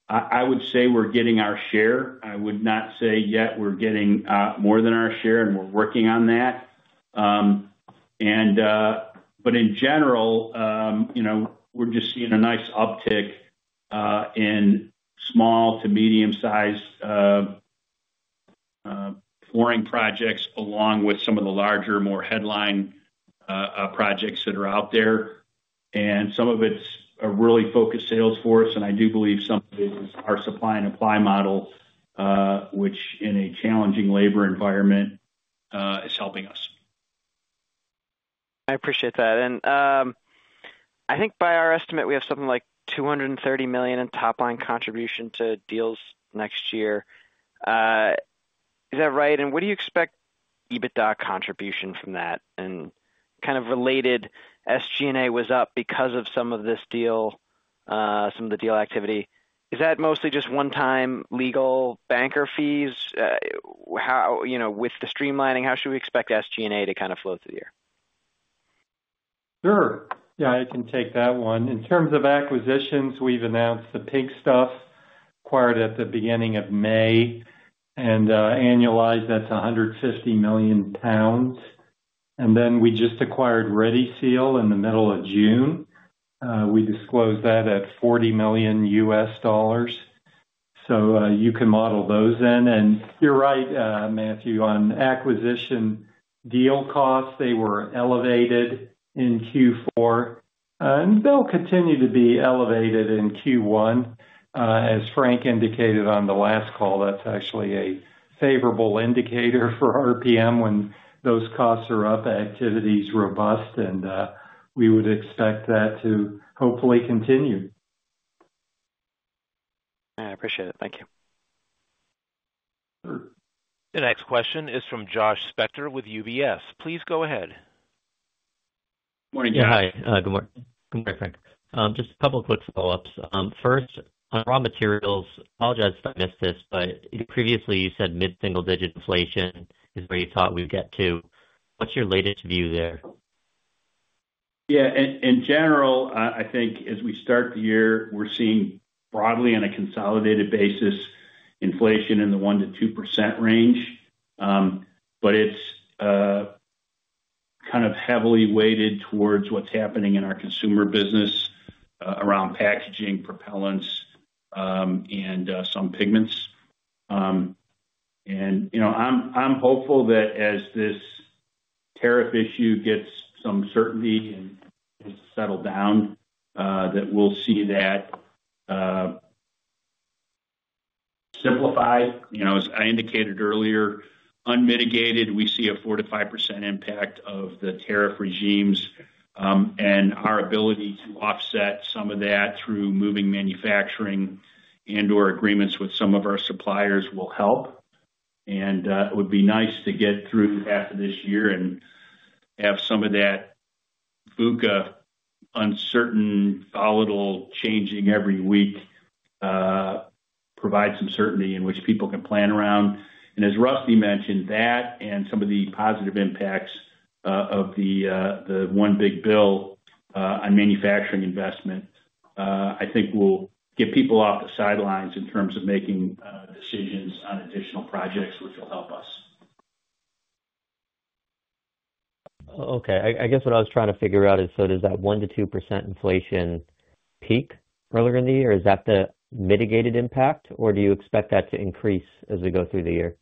I would say we're getting our share. I would not say yet we're getting more than our share, and we're working on that. In general, we're just seeing a nice uptick in small to medium-sized flooring projects along with some of the larger, more headline projects that are out there. Some of it's a really focused sales force. I do believe some of it is our supply and apply model, which in a challenging labor environment is helping us. I appreciate that. I think by our estimate, we have something like $230 million in top-line contribution to deals next year. Is that right? What do you expect EBITDA contribution from that? Kind of related, SG&A was up because of some of this deal, some of the deal activity. Is that mostly just one-time legal banker fees? With the streamlining, how should we expect SG&A to kind of flow through the year? Sure. Yeah, I can take that one. In terms of acquisitions, we've announced The Pink Stuff acquired at the beginning of May. And annualized, that's 150 million pounds. And then we just acquired Ready Seal in the middle of June. We disclosed that at $40 million. You can model those in. You're right, Matthew, on acquisition deal costs, they were elevated in Q4. They'll continue to be elevated in Q1. As Frank indicated on the last call, that's actually a favorable indicator for RPM when those costs are up, activity is robust, and we would expect that to hopefully continue. I appreciate it. Thank you. The next question is from Josh Spector with UBS. Please go ahead. Morning, Josh. Hi. Good morning. Good morning, Frank. Just a couple of quick follow-ups. First, on raw materials, I apologize if I missed this, but previously you said mid-single-digit inflation is where you thought we'd get to. What's your latest view there? Yeah. In general, I think as we start the year, we're seeing broadly on a consolidated basis inflation in the 1%-2% range. But it's kind of heavily weighted towards what's happening in our consumer business around packaging, propellants, and some pigments. I'm hopeful that as this tariff issue gets some certainty and gets to settle down, that we'll see that simplified. As I indicated earlier, unmitigated, we see a 4%-5% impact of the tariff regimes, and our ability to offset some of that through moving manufacturing and/or agreements with some of our suppliers will help. It would be nice to get through half of this year and have some of that VUCA—uncertain, volatile, changing every week—provide some certainty in which people can plan around. As Rusty mentioned, that and some of the positive impacts of the One Big Bill on manufacturing investment, I think, will get people off the sidelines in terms of making decisions on additional projects, which will help us. Okay. I guess what I was trying to figure out is, so does that 1%-2% inflation peak earlier in the year? Is that the mitigated impact, or do you expect that to increase as we go through the year?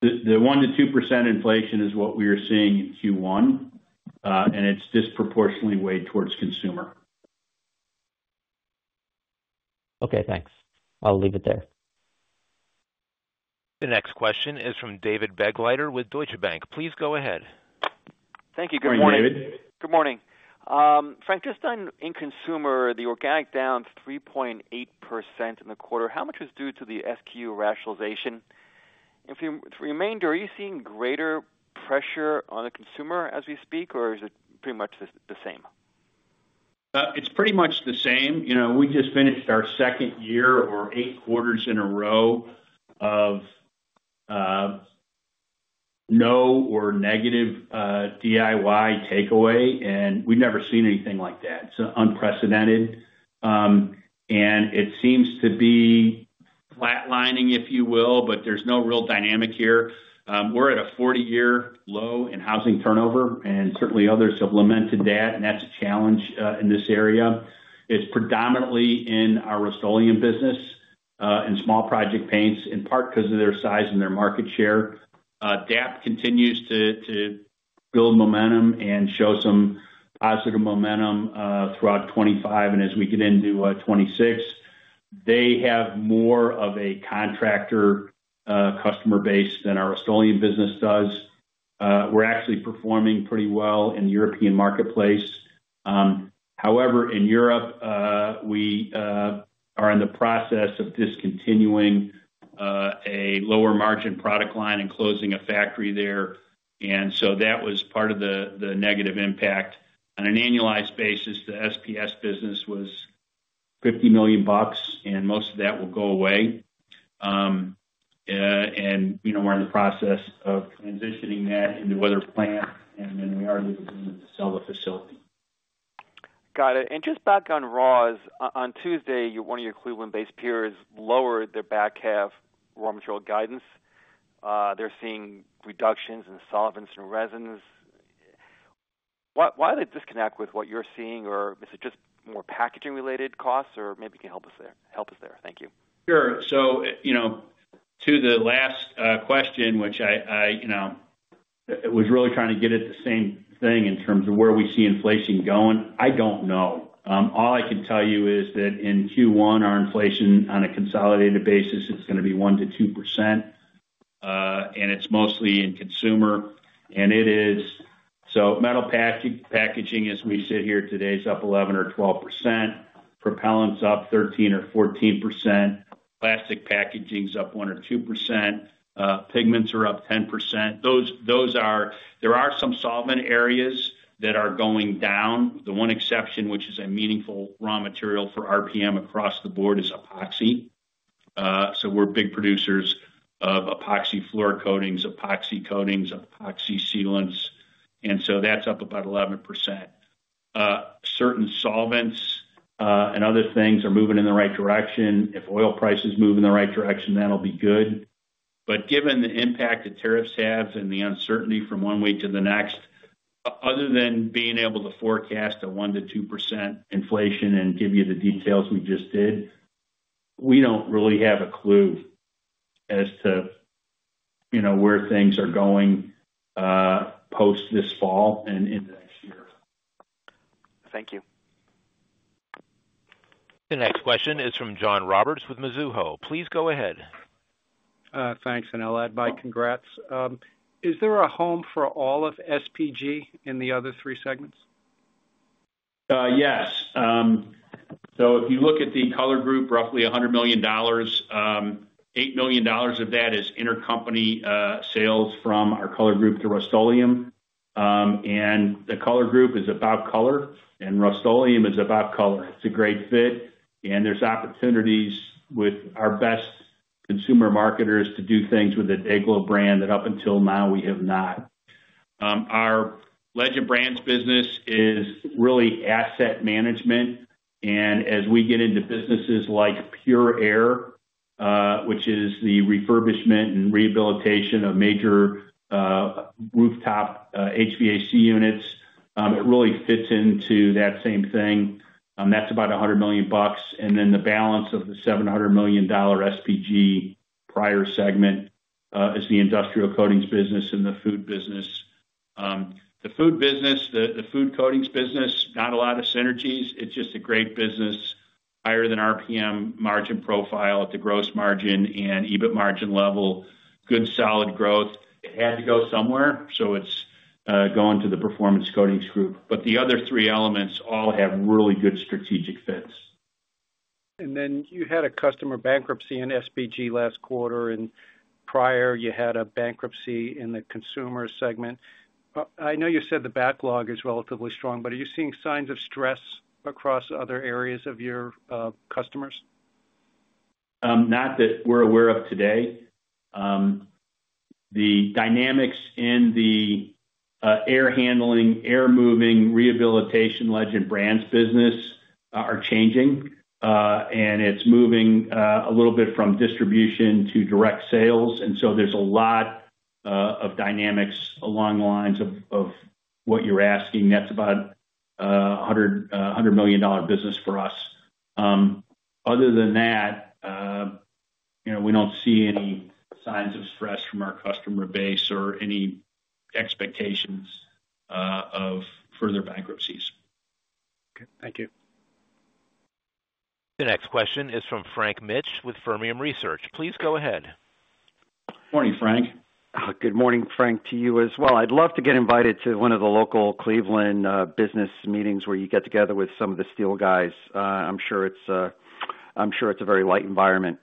The 1%-2% inflation is what we are seeing in Q1. It is disproportionately weighed towards consumer. Okay. Thanks. I'll leave it there. The next question is from David Begleiter with Deutsche Bank. Please go ahead. Thank you. Good morning. Good morning, David. Good morning. Frank, just on in consumer, the organic down 3.8% in the quarter. How much was due to the SKU rationalization? For the remainder, are you seeing greater pressure on the consumer as we speak, or is it pretty much the same? It's pretty much the same. We just finished our second year or eight quarters in a row of no or negative DIY takeaway, and we've never seen anything like that. It's unprecedented. It seems to be flatlining, if you will, but there's no real dynamic here. We're at a 40-year low in housing turnover, and certainly others have lamented that. That's a challenge in this area. It's predominantly in our Rust-Oleum business and small project paints, in part because of their size and their market share. DAP continues to build momentum and show some positive momentum throughout 2025. As we get into 2026, they have more of a contractor customer base than our Rust-Oleum business does. We're actually performing pretty well in the European marketplace. However, in Europe, we are in the process of discontinuing a lower margin product line and closing a factory there. That was part of the negative impact. On an annualized basis, the SPS business was $50 million, and most of that will go away. We're in the process of transitioning that into other plants, and then we are looking to sell the facility. Got it. Just back on raws, on Tuesday, one of your Cleveland-based peers lowered their back half raw material guidance. They're seeing reductions in solvents and resins. Why the disconnect with what you're seeing, or is it just more packaging-related costs, or maybe you can help us there? Thank you. Sure. To the last question, which I was really trying to get at the same thing in terms of where we see inflation going, I don't know. All I can tell you is that in Q1, our inflation on a consolidated basis is going to be 1%-2%. It is mostly in consumer. Metal packaging, as we sit here today, is up 11%-12%. Propellant's up 13%-14%. Plastic packaging's up 1%-2%. Pigments are up 10%. There are some solvent areas that are going down. The one exception, which is a meaningful raw material for RPM across the board, is epoxy. We are big producers of epoxy floor coatings, epoxy coatings, epoxy sealants. That is up about 11%. Certain solvents and other things are moving in the right direction. If oil prices move in the right direction, that will be good. Given the impact that tariffs have and the uncertainty from one week to the next, other than being able to forecast a 1%-2% inflation and give you the details we just did, we do not really have a clue as to where things are going post this fall and into next year. Thank you. The next question is from John Roberts with Mizuho. Please go ahead. Thanks. I'll add my congrats. Is there a home for all of SPG in the other three segments? Yes. If you look at the Color Group, roughly $100 million. $8 million of that is intercompany sales from our Color Group to Rust-Oleum. The Color Group is about color, and Rust-Oleum is about color. It's a great fit. There are opportunities with our best consumer marketers to do things with the DayGlo brand that up until now we have not. Our Legend Brands business is really asset management. As we get into businesses like Pure Air, which is the refurbishment and rehabilitation of major rooftop HVAC units, it really fits into that same thing. That's about $100 million. The balance of the $700 million SPG prior segment is the Industrial Coatings business and the food business. The food business, the Food Coatings business, not a lot of synergies. It's just a great business. Higher than RPM margin profile at the gross margin and EBIT margin level. Good solid growth. It had to go somewhere. It is going to the Performance Coatings Group. The other three elements all have really good strategic fits. You had a customer bankruptcy in SPG last quarter. Prior, you had a bankruptcy in the consumer segment. I know you said the backlog is relatively strong, but are you seeing signs of stress across other areas of your customers? Not that we're aware of today. The dynamics in the air handling, air moving, rehabilitation, Legend Brands business are changing. And it's moving a little bit from distribution to direct sales. There are a lot of dynamics along the lines of what you're asking. That's about a $100 million business for us. Other than that, we don't see any signs of stress from our customer base or any expectations of further bankruptcies. Okay. Thank you. The next question is from Frank Mitsch with Fermium Research. Please go ahead. Good morning, Frank. Good morning, Frank, to you as well. I'd love to get invited to one of the local Cleveland business meetings where you get together with some of the steel guys. I'm sure it's a very light environment.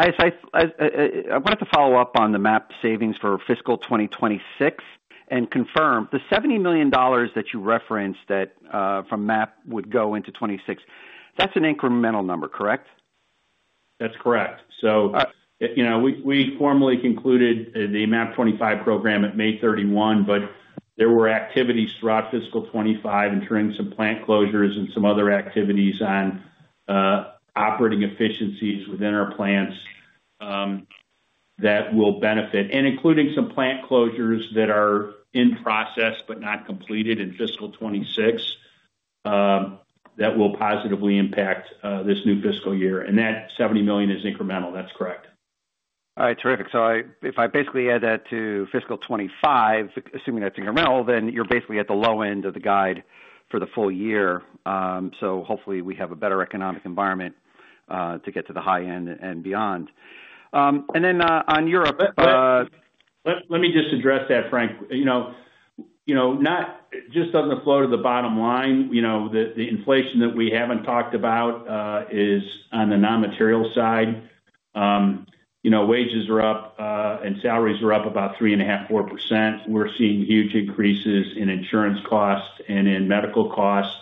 I wanted to follow up on the MAP savings for fiscal 2026 and confirm the $70 million that you referenced that from MAP would go into 2026. That's an incremental number, correct? That's correct. We formally concluded the MAP 2025 program at May 31, but there were activities throughout fiscal 2025, including some plant closures and some other activities on operating efficiencies within our plants. That will benefit, including some plant closures that are in process but not completed in fiscal 2026. That will positively impact this new fiscal year. That $70 million is incremental. That's correct. All right. Terrific. If I basically add that to fiscal 2025, assuming that's incremental, then you're basically at the low end of the guide for the full year. Hopefully we have a better economic environment to get to the high end and beyond. And then on Europe. Let me just address that, Frank. Not just on the flow to the bottom line. The inflation that we have not talked about is on the non-material side. Wages are up, and salaries are up about 3.5%-4%. We are seeing huge increases in insurance costs and in medical costs.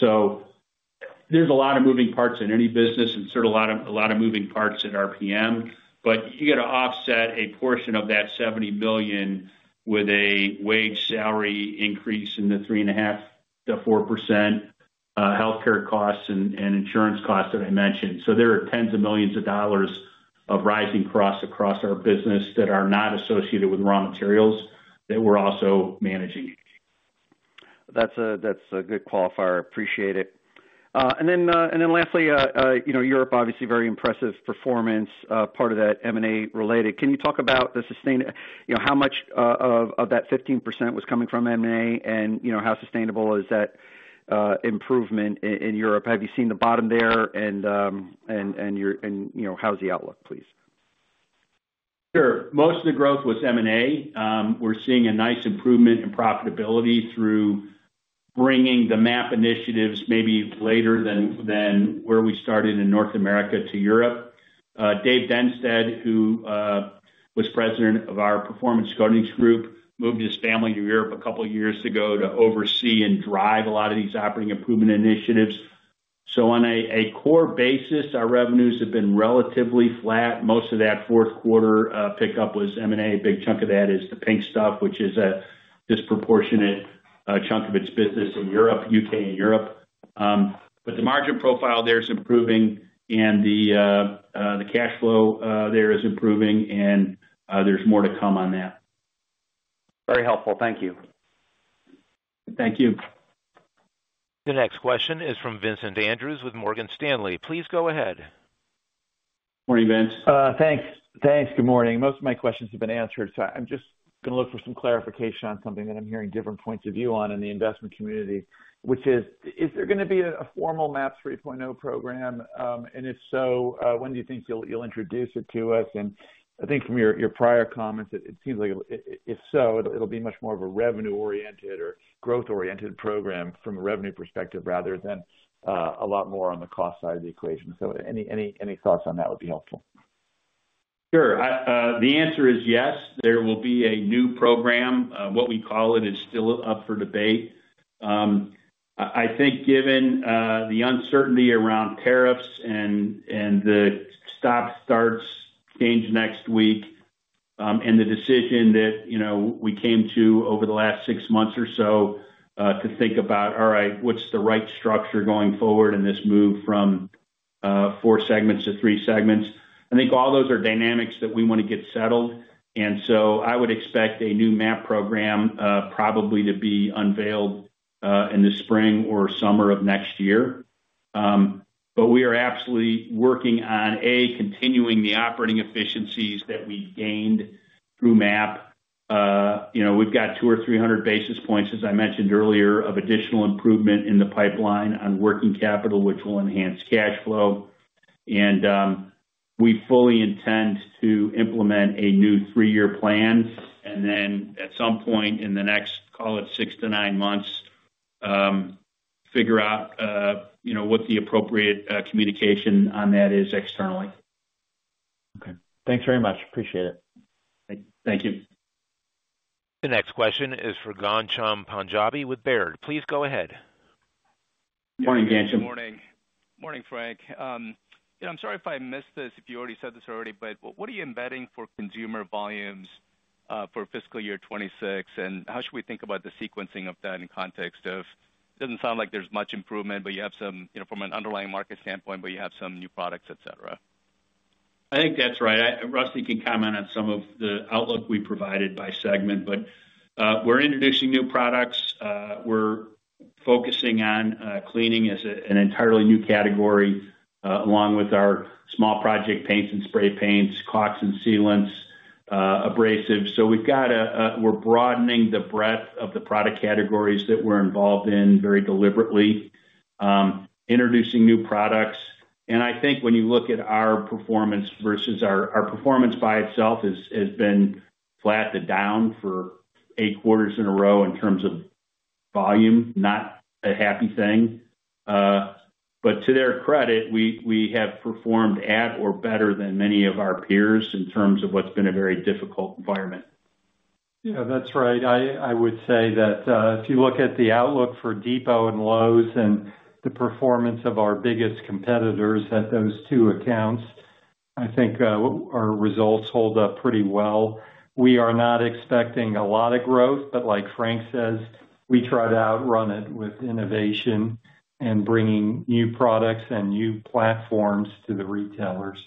There is a lot of moving parts in any business and certainly a lot of moving parts in RPM. You have to offset a portion of that $70 million with a wage salary increase in the 3.5%-4% range, healthcare costs, and insurance costs that I mentioned. There are tens of millions of dollars of rising costs across our business that are not associated with raw materials that we are also managing. That's a good qualifier. Appreciate it. Lastly, Europe, obviously very impressive performance, part of that M&A related. Can you talk about the sustainable, how much of that 15% was coming from M&A, and how sustainable is that improvement in Europe? Have you seen the bottom there, and how's the outlook, please? Sure. Most of the growth was M&A. We're seeing a nice improvement in profitability through bringing the MAP initiatives maybe later than where we started in North America to Europe. Dave Dennsteadt, who was President of our Performance Coatings Group, moved his family to Europe a couple of years ago to oversee and drive a lot of these operating improvement initiatives. On a core basis, our revenues have been relatively flat. Most of that fourth quarter pickup was M&A. A big chunk of that is The Pink Stuff, which is a disproportionate chunk of its business in Europe, U.K., and Europe. The margin profile there is improving, and the cash flow there is improving, and there's more to come on that. Very helpful. Thank you. Thank you. The next question is from Vincent Andrews with Morgan Stanley. Please go ahead. Morning, Vince. Thanks. Thanks. Good morning. Most of my questions have been answered. I am just going to look for some clarification on something that I am hearing different points of view on in the investment community, which is, is there going to be a formal MAP 3.0 program? If so, when do you think you will introduce it to us? I think from your prior comments, it seems like if so, it will be much more of a revenue-oriented or growth-oriented program from a revenue perspective rather than a lot more on the cost side of the equation. Any thoughts on that would be helpful. Sure. The answer is yes. There will be a new program. What we call it is still up for debate. I think given the uncertainty around tariffs and the stop-starts change next week. The decision that we came to over the last six months or so to think about, all right, what's the right structure going forward in this move from four segments to three segments. I think all those are dynamics that we want to get settled. I would expect a new MAP program probably to be unveiled in the spring or summer of next year. We are absolutely working on, A, continuing the operating efficiencies that we've gained through MAP. We've got 200 or 300 basis points, as I mentioned earlier, of additional improvement in the pipeline on working capital, which will enhance cash flow. We fully intend to implement a new three-year plan. At some point in the next, call it 6 months-9 months, figure out what the appropriate communication on that is externally. Okay. Thanks very much. Appreciate it. Thank you. The next question is for Ghansham Panjabi with Baird. Please go ahead. Good morning, Ghansham. Good morning. Morning, Frank. I'm sorry if I missed this, if you already said this already, but what are you embedding for consumer volumes for fiscal year 2026? How should we think about the sequencing of that in context of it does not sound like there is much improvement, but you have some from an underlying market standpoint, but you have some new products, etc. I think that's right. I roughly can comment on some of the outlook we provided by segment, but we're introducing new products. We're focusing on cleaning as an entirely new category along with our small project paints and spray paints, caulks and sealants, abrasives. We've got a—we're broadening the breadth of the product categories that we're involved in very deliberately. Introducing new products. I think when you look at our performance versus—our performance by itself has been flat to down for eight quarters in a row in terms of volume, not a happy thing. To their credit, we have performed at or better than many of our peers in terms of what's been a very difficult environment. Yeah, that's right. I would say that if you look at the outlook for Depot and Lowe's and the performance of our biggest competitors at those two accounts, I think our results hold up pretty well. We are not expecting a lot of growth, but like Frank says, we try to outrun it with innovation and bringing new products and new platforms to the retailers.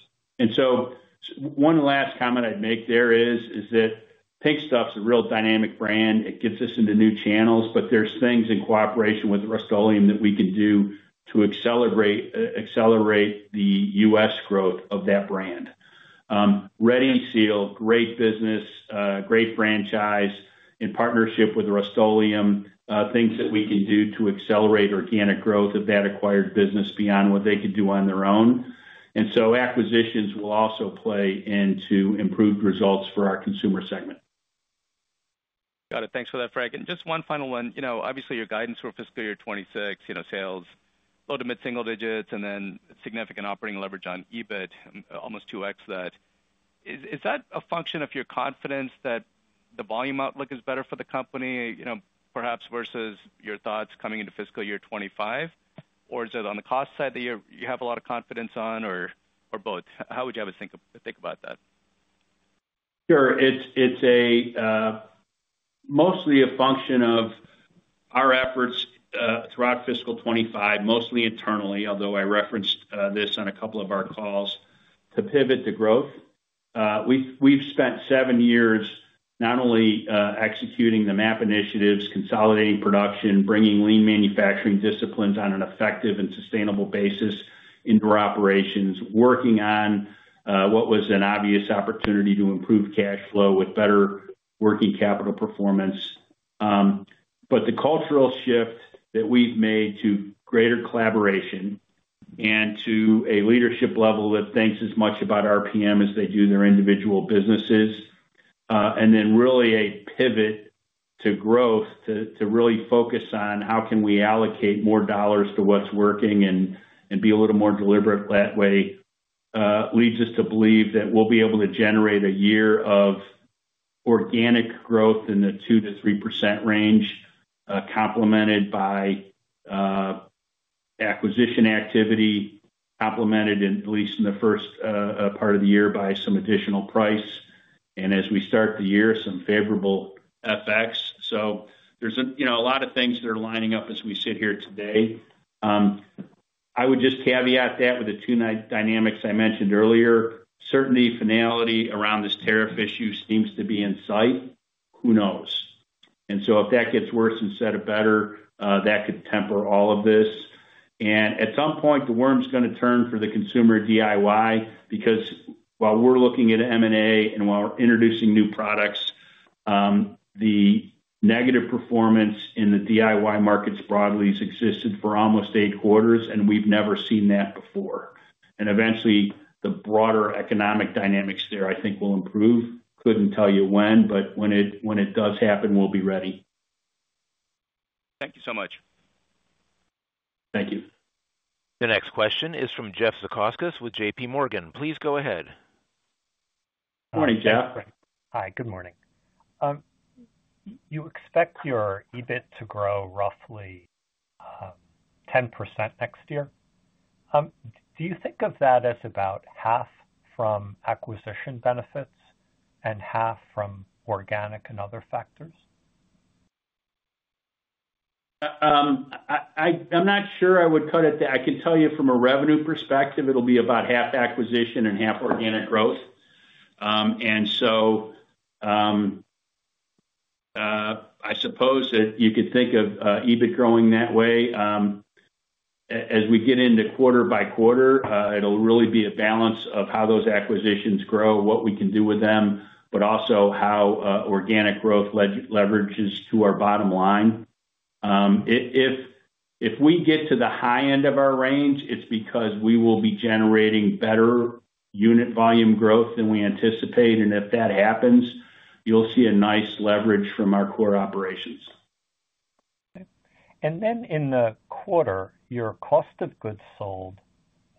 One last comment I'd make there is that The Pink Stuff's a real dynamic brand. It gets us into new channels, but there's things in cooperation with Rust-Oleum that we can do to accelerate the U.S. growth of that brand. Ready Seal, great business, great franchise in partnership with Rust-Oleum, things that we can do to accelerate organic growth of that acquired business beyond what they could do on their own. Acquisitions will also play into improved results for our consumer segment. Got it. Thanks for that, Frank. Just one final one. Obviously, your guidance for fiscal year 2026, sales, low to mid-single-digits, and then significant operating leverage on EBIT, almost 2x that. Is that a function of your confidence that the volume outlook is better for the company, perhaps versus your thoughts coming into fiscal year 2025? Or is it on the cost side that you have a lot of confidence on or both? How would you have to think about that? Sure. It's mostly a function of our efforts throughout fiscal 2025, mostly internally, although I referenced this on a couple of our calls, to pivot to growth. We've spent seven years not only executing the MAP initiatives, consolidating production, bringing lean manufacturing disciplines on an effective and sustainable basis into our operations, working on what was an obvious opportunity to improve cash flow with better working capital performance. The cultural shift that we've made to greater collaboration and to a leadership level that thinks as much about RPM as they do their individual businesses. Then really a pivot to growth to really focus on how can we allocate more dollars to what's working and be a little more deliberate that way. Leads us to believe that we'll be able to generate a year of organic growth in the 2-3% range, complemented by acquisition activity, complemented at least in the first part of the year by some additional price. As we start the year, some favorable FX. There are a lot of things that are lining up as we sit here today. I would just caveat that with the two dynamics I mentioned earlier. Certainty, finality around this tariff issue seems to be in sight. Who knows? If that gets worse instead of better, that could temper all of this. At some point, the worm's going to turn for the consumer DIY because while we're looking at M&A and while introducing new products, the negative performance in the DIY markets broadly has existed for almost eight quarters, and we've never seen that before. Eventually, the broader economic dynamics there, I think, will improve. Couldn't tell you when, but when it does happen, we'll be ready. Thank you so much. Thank you. The next question is from Jeff Zekauskas with JPMorgan. Please go ahead. Morning, Jeff. Hi, good morning. You expect your EBIT to grow roughly 10% next year. Do you think of that as about 1/2 from acquisition benefits and 1/2 from organic and other factors? I'm not sure I would cut it that. I can tell you from a revenue perspective, it'll be about 1/2 acquisition and 1/2 organic growth. I suppose that you could think of EBIT growing that way. As we get into quarter by quarter, it'll really be a balance of how those acquisitions grow, what we can do with them, but also how organic growth leverages to our bottom line. If we get to the high end of our range, it's because we will be generating better unit volume growth than we anticipate. If that happens, you'll see a nice leverage from our core operations. Okay. In the quarter, your cost of goods sold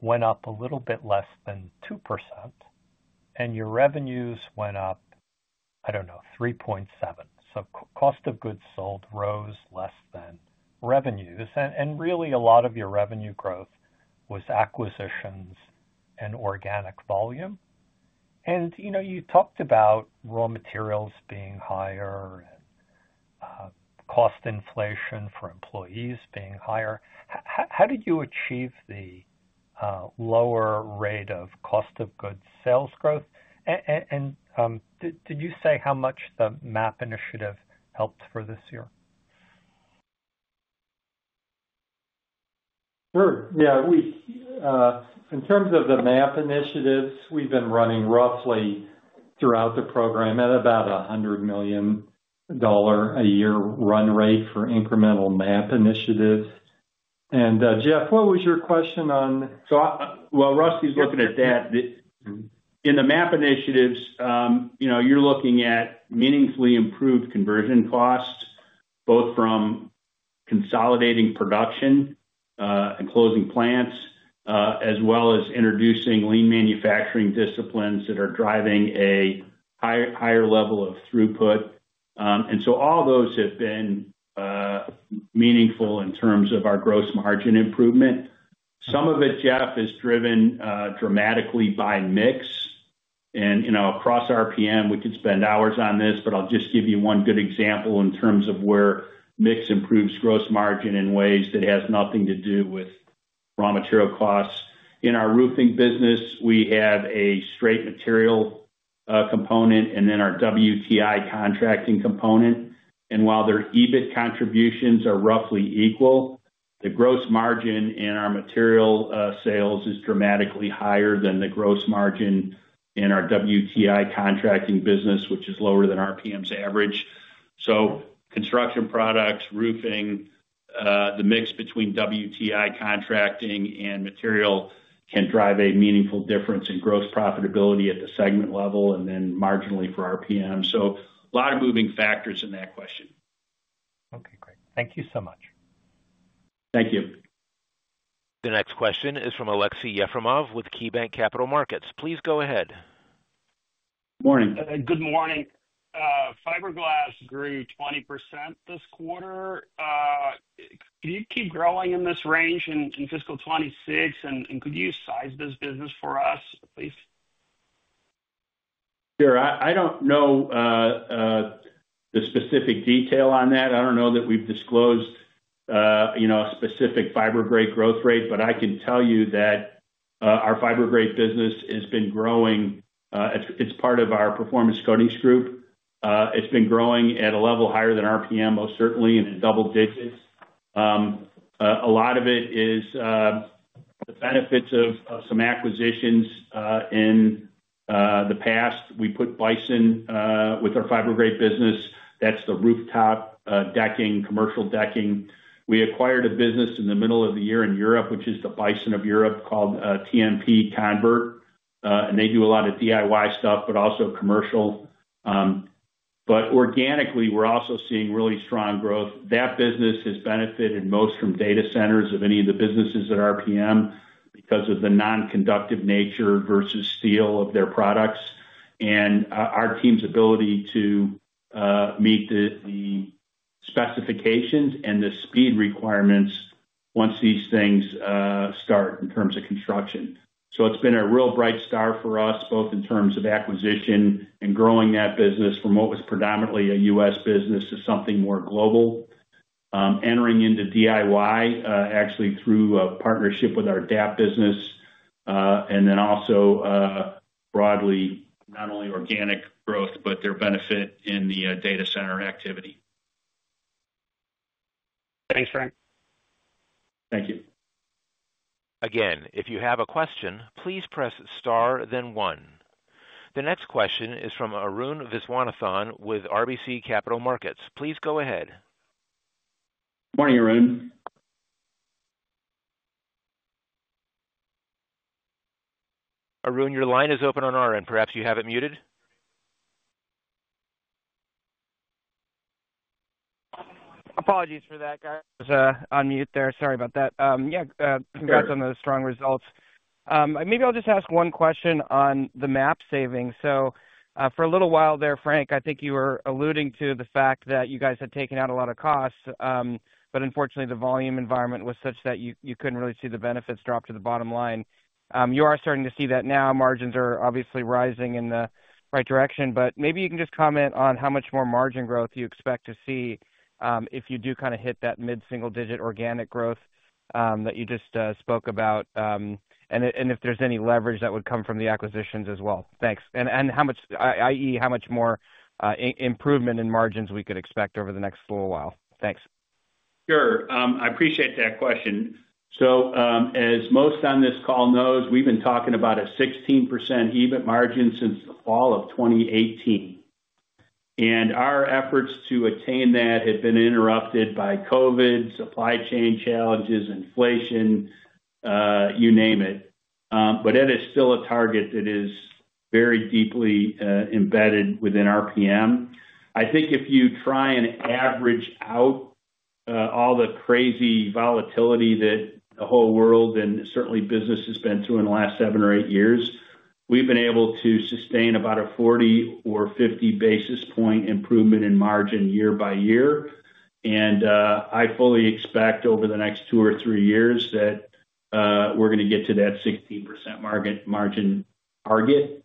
went up a little bit less than 2%. Your revenues went up, I do not know, 3.7%. Cost of goods sold rose less than revenues. Really, a lot of your revenue growth was acquisitions and organic volume. You talked about raw materials being higher and cost inflation for employees being higher. How did you achieve the lower rate of cost of goods sales growth? Did you say how much the MAP initiative helped for this year? Sure. Yeah. In terms of the MAP initiatives, we've been running roughly throughout the program at about a $100 million a year run rate for incremental MAP initiatives. Jeff, what was your question on? Rusty's looking at that. In the MAP initiatives, you're looking at meaningfully improved conversion costs, both from consolidating production and closing plants, as well as introducing lean manufacturing disciplines that are driving a higher level of throughput. All those have been meaningful in terms of our gross margin improvement. Some of it, Jeff, is driven dramatically by mix. Across RPM, we could spend hours on this, but I'll just give you one good example in terms of where mix improves gross margin in ways that has nothing to do with raw material costs. In our roofing business, we have a straight material component and then our WTI contracting component. While their EBIT contributions are roughly equal, the gross margin in our material sales is dramatically higher than the gross margin in our WTI contracting business, which is lower than RPM's average. Construction products, roofing, the mix between WTI contracting and material can drive a meaningful difference in gross profitability at the segment level and then marginally for RPM. A lot of moving factors in that question. Okay. Great. Thank you so much. Thank you. The next question is from Aleksey Yefremov with KeyBanc Capital Markets. Please go ahead. Good morning. Good morning. Fiberglass grew 20% this quarter. Can you keep growing in this range in fiscal 2026? And could you size this business for us, please? Sure. I don't know. The specific detail on that. I don't know that we've disclosed a specific Fibergrate growth rate, but I can tell you that our Fibergrate business has been growing. It's part of our Performance Coatings Group. It's been growing at a level higher than RPM, most certainly, and in double-digits. A lot of it is the benefits of some acquisitions. In the past, we put Bison with our Fibergrate business. That's the rooftop decking, commercial decking. We acquired a business in the middle of the year in Europe, which is the Bison of Europe, called TMP Convert. And they do a lot of DIY stuff, but also commercial. But organically, we're also seeing really strong growth. That business has benefited most from data centers of any of the businesses at RPM because of the non-conductive nature versus steel of their products. And our team's ability to meet the specifications and the speed requirements once these things start in terms of construction. It's been a real bright star for us, both in terms of acquisition and growing that business from what was predominantly a U.S. business to something more global. Entering into DIY, actually through a partnership with our DAP business. And then also broadly, not only organic growth, but their benefit in the data center activity. Thanks, Frank. Thank you. Again, if you have a question, please press star, then one. The next question is from Arun Viswanathan with RBC Capital Markets. Please go ahead. Morning, Arun. Arun, your line is open on our end. Perhaps you have it muted. Apologies for that. I was on mute there. Sorry about that. Yeah. Congrats on the strong results. Maybe I'll just ask one question on the MAP savings. For a little while there, Frank, I think you were alluding to the fact that you guys had taken out a lot of costs, but unfortunately, the volume environment was such that you couldn't really see the benefits drop to the bottom line. You are starting to see that now. Margins are obviously rising in the right direction, but maybe you can just comment on how much more margin growth you expect to see if you do kind of hit that mid-single-digit organic growth that you just spoke about. If there's any leverage that would come from the acquisitions as well. Thanks. Ie, how much more improvement in margins we could expect over the next little while. Thanks. Sure. I appreciate that question. As most on this call know, we've been talking about a 16% EBIT margin since the fall of 2018. Our efforts to attain that have been interrupted by COVID, supply chain challenges, inflation. You name it. It is still a target that is very deeply embedded within RPM. I think if you try and average out all the crazy volatility that the whole world and certainly business has been through in the last seven or eight years, we've been able to sustain about a 40 or 50 basis point improvement in margin year-by-year. I fully expect over the next two or three years that we're going to get to that 16% margin target.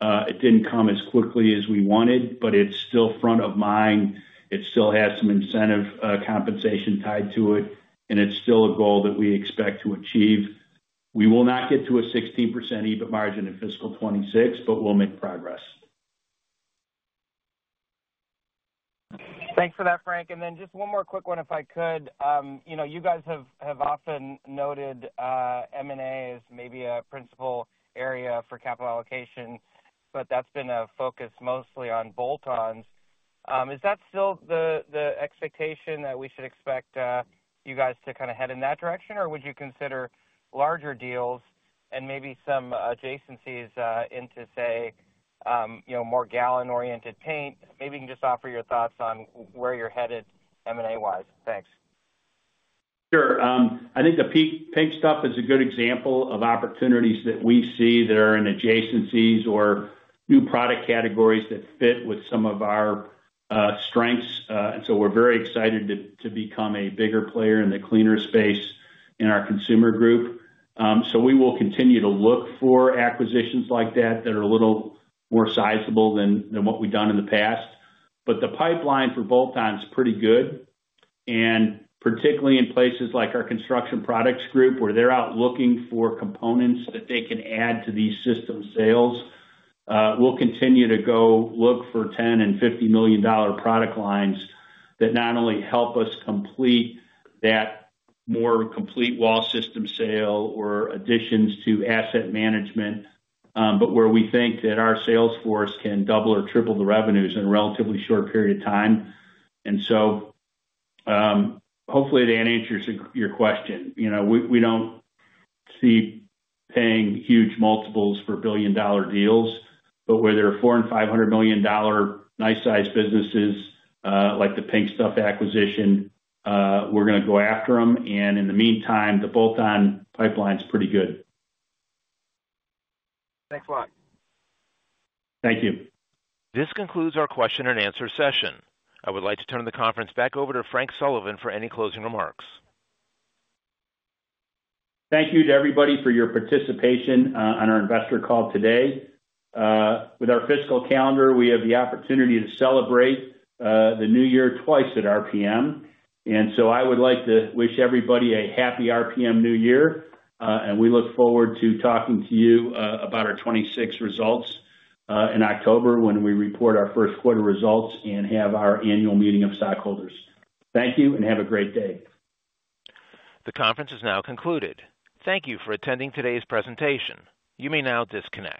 It did not come as quickly as we wanted, but it's still front of mind. It still has some incentive compensation tied to it. It is still a goal that we expect to achieve. We will not get to a 16% EBIT margin in fiscal 2026, but we'll make progress. Thanks for that, Frank. And then just one more quick one, if I could. You guys have often noted M&A as maybe a principal area for capital allocation, but that's been a focus mostly on bolt-ons. Is that still the expectation that we should expect you guys to kind of head in that direction, or would you consider larger deals and maybe some adjacencies into, say, more gallon-oriented paint? Maybe you can just offer your thoughts on where you're headed M&A-wise. Thanks. Sure. I think The Pink Stuff is a good example of opportunities that we see that are in adjacencies or new product categories that fit with some of our strengths. We are very excited to become a bigger player in the cleaner space in our Consumer Group. We will continue to look for acquisitions like that that are a little more sizable than what we have done in the past. The pipeline for bolt-ons is pretty good. Particularly in places like our Construction Products Group, where they are out looking for components that they can add to these system sales, we will continue to go look for $10 million-$50 million product lines that not only help us complete that more complete wall system sale or additions to asset management, but where we think that our sales force can double or triple the revenues in a relatively short period of time. Hopefully, that answers your question. We do not see paying huge multiples for billion-dollar deals, but where there are $400 million-$500 million nice-sized businesses like The Pink Stuff acquisition, we are going to go after them. In the meantime, the bolt-on pipeline is pretty good. Thanks a lot. Thank you. This concludes our question and answer session. I would like to turn the conference back over to Frank Sullivan for any closing remarks. Thank you to everybody for your participation on our investor call today. With our fiscal calendar, we have the opportunity to celebrate the new year twice at RPM. I would like to wish everybody a happy RPM new year. We look forward to talking to you about our 2026 results in October when we report our first quarter results and have our annual meeting of stockholders. Thank you and have a great day. The conference is now concluded. Thank you for attending today's presentation. You may now disconnect.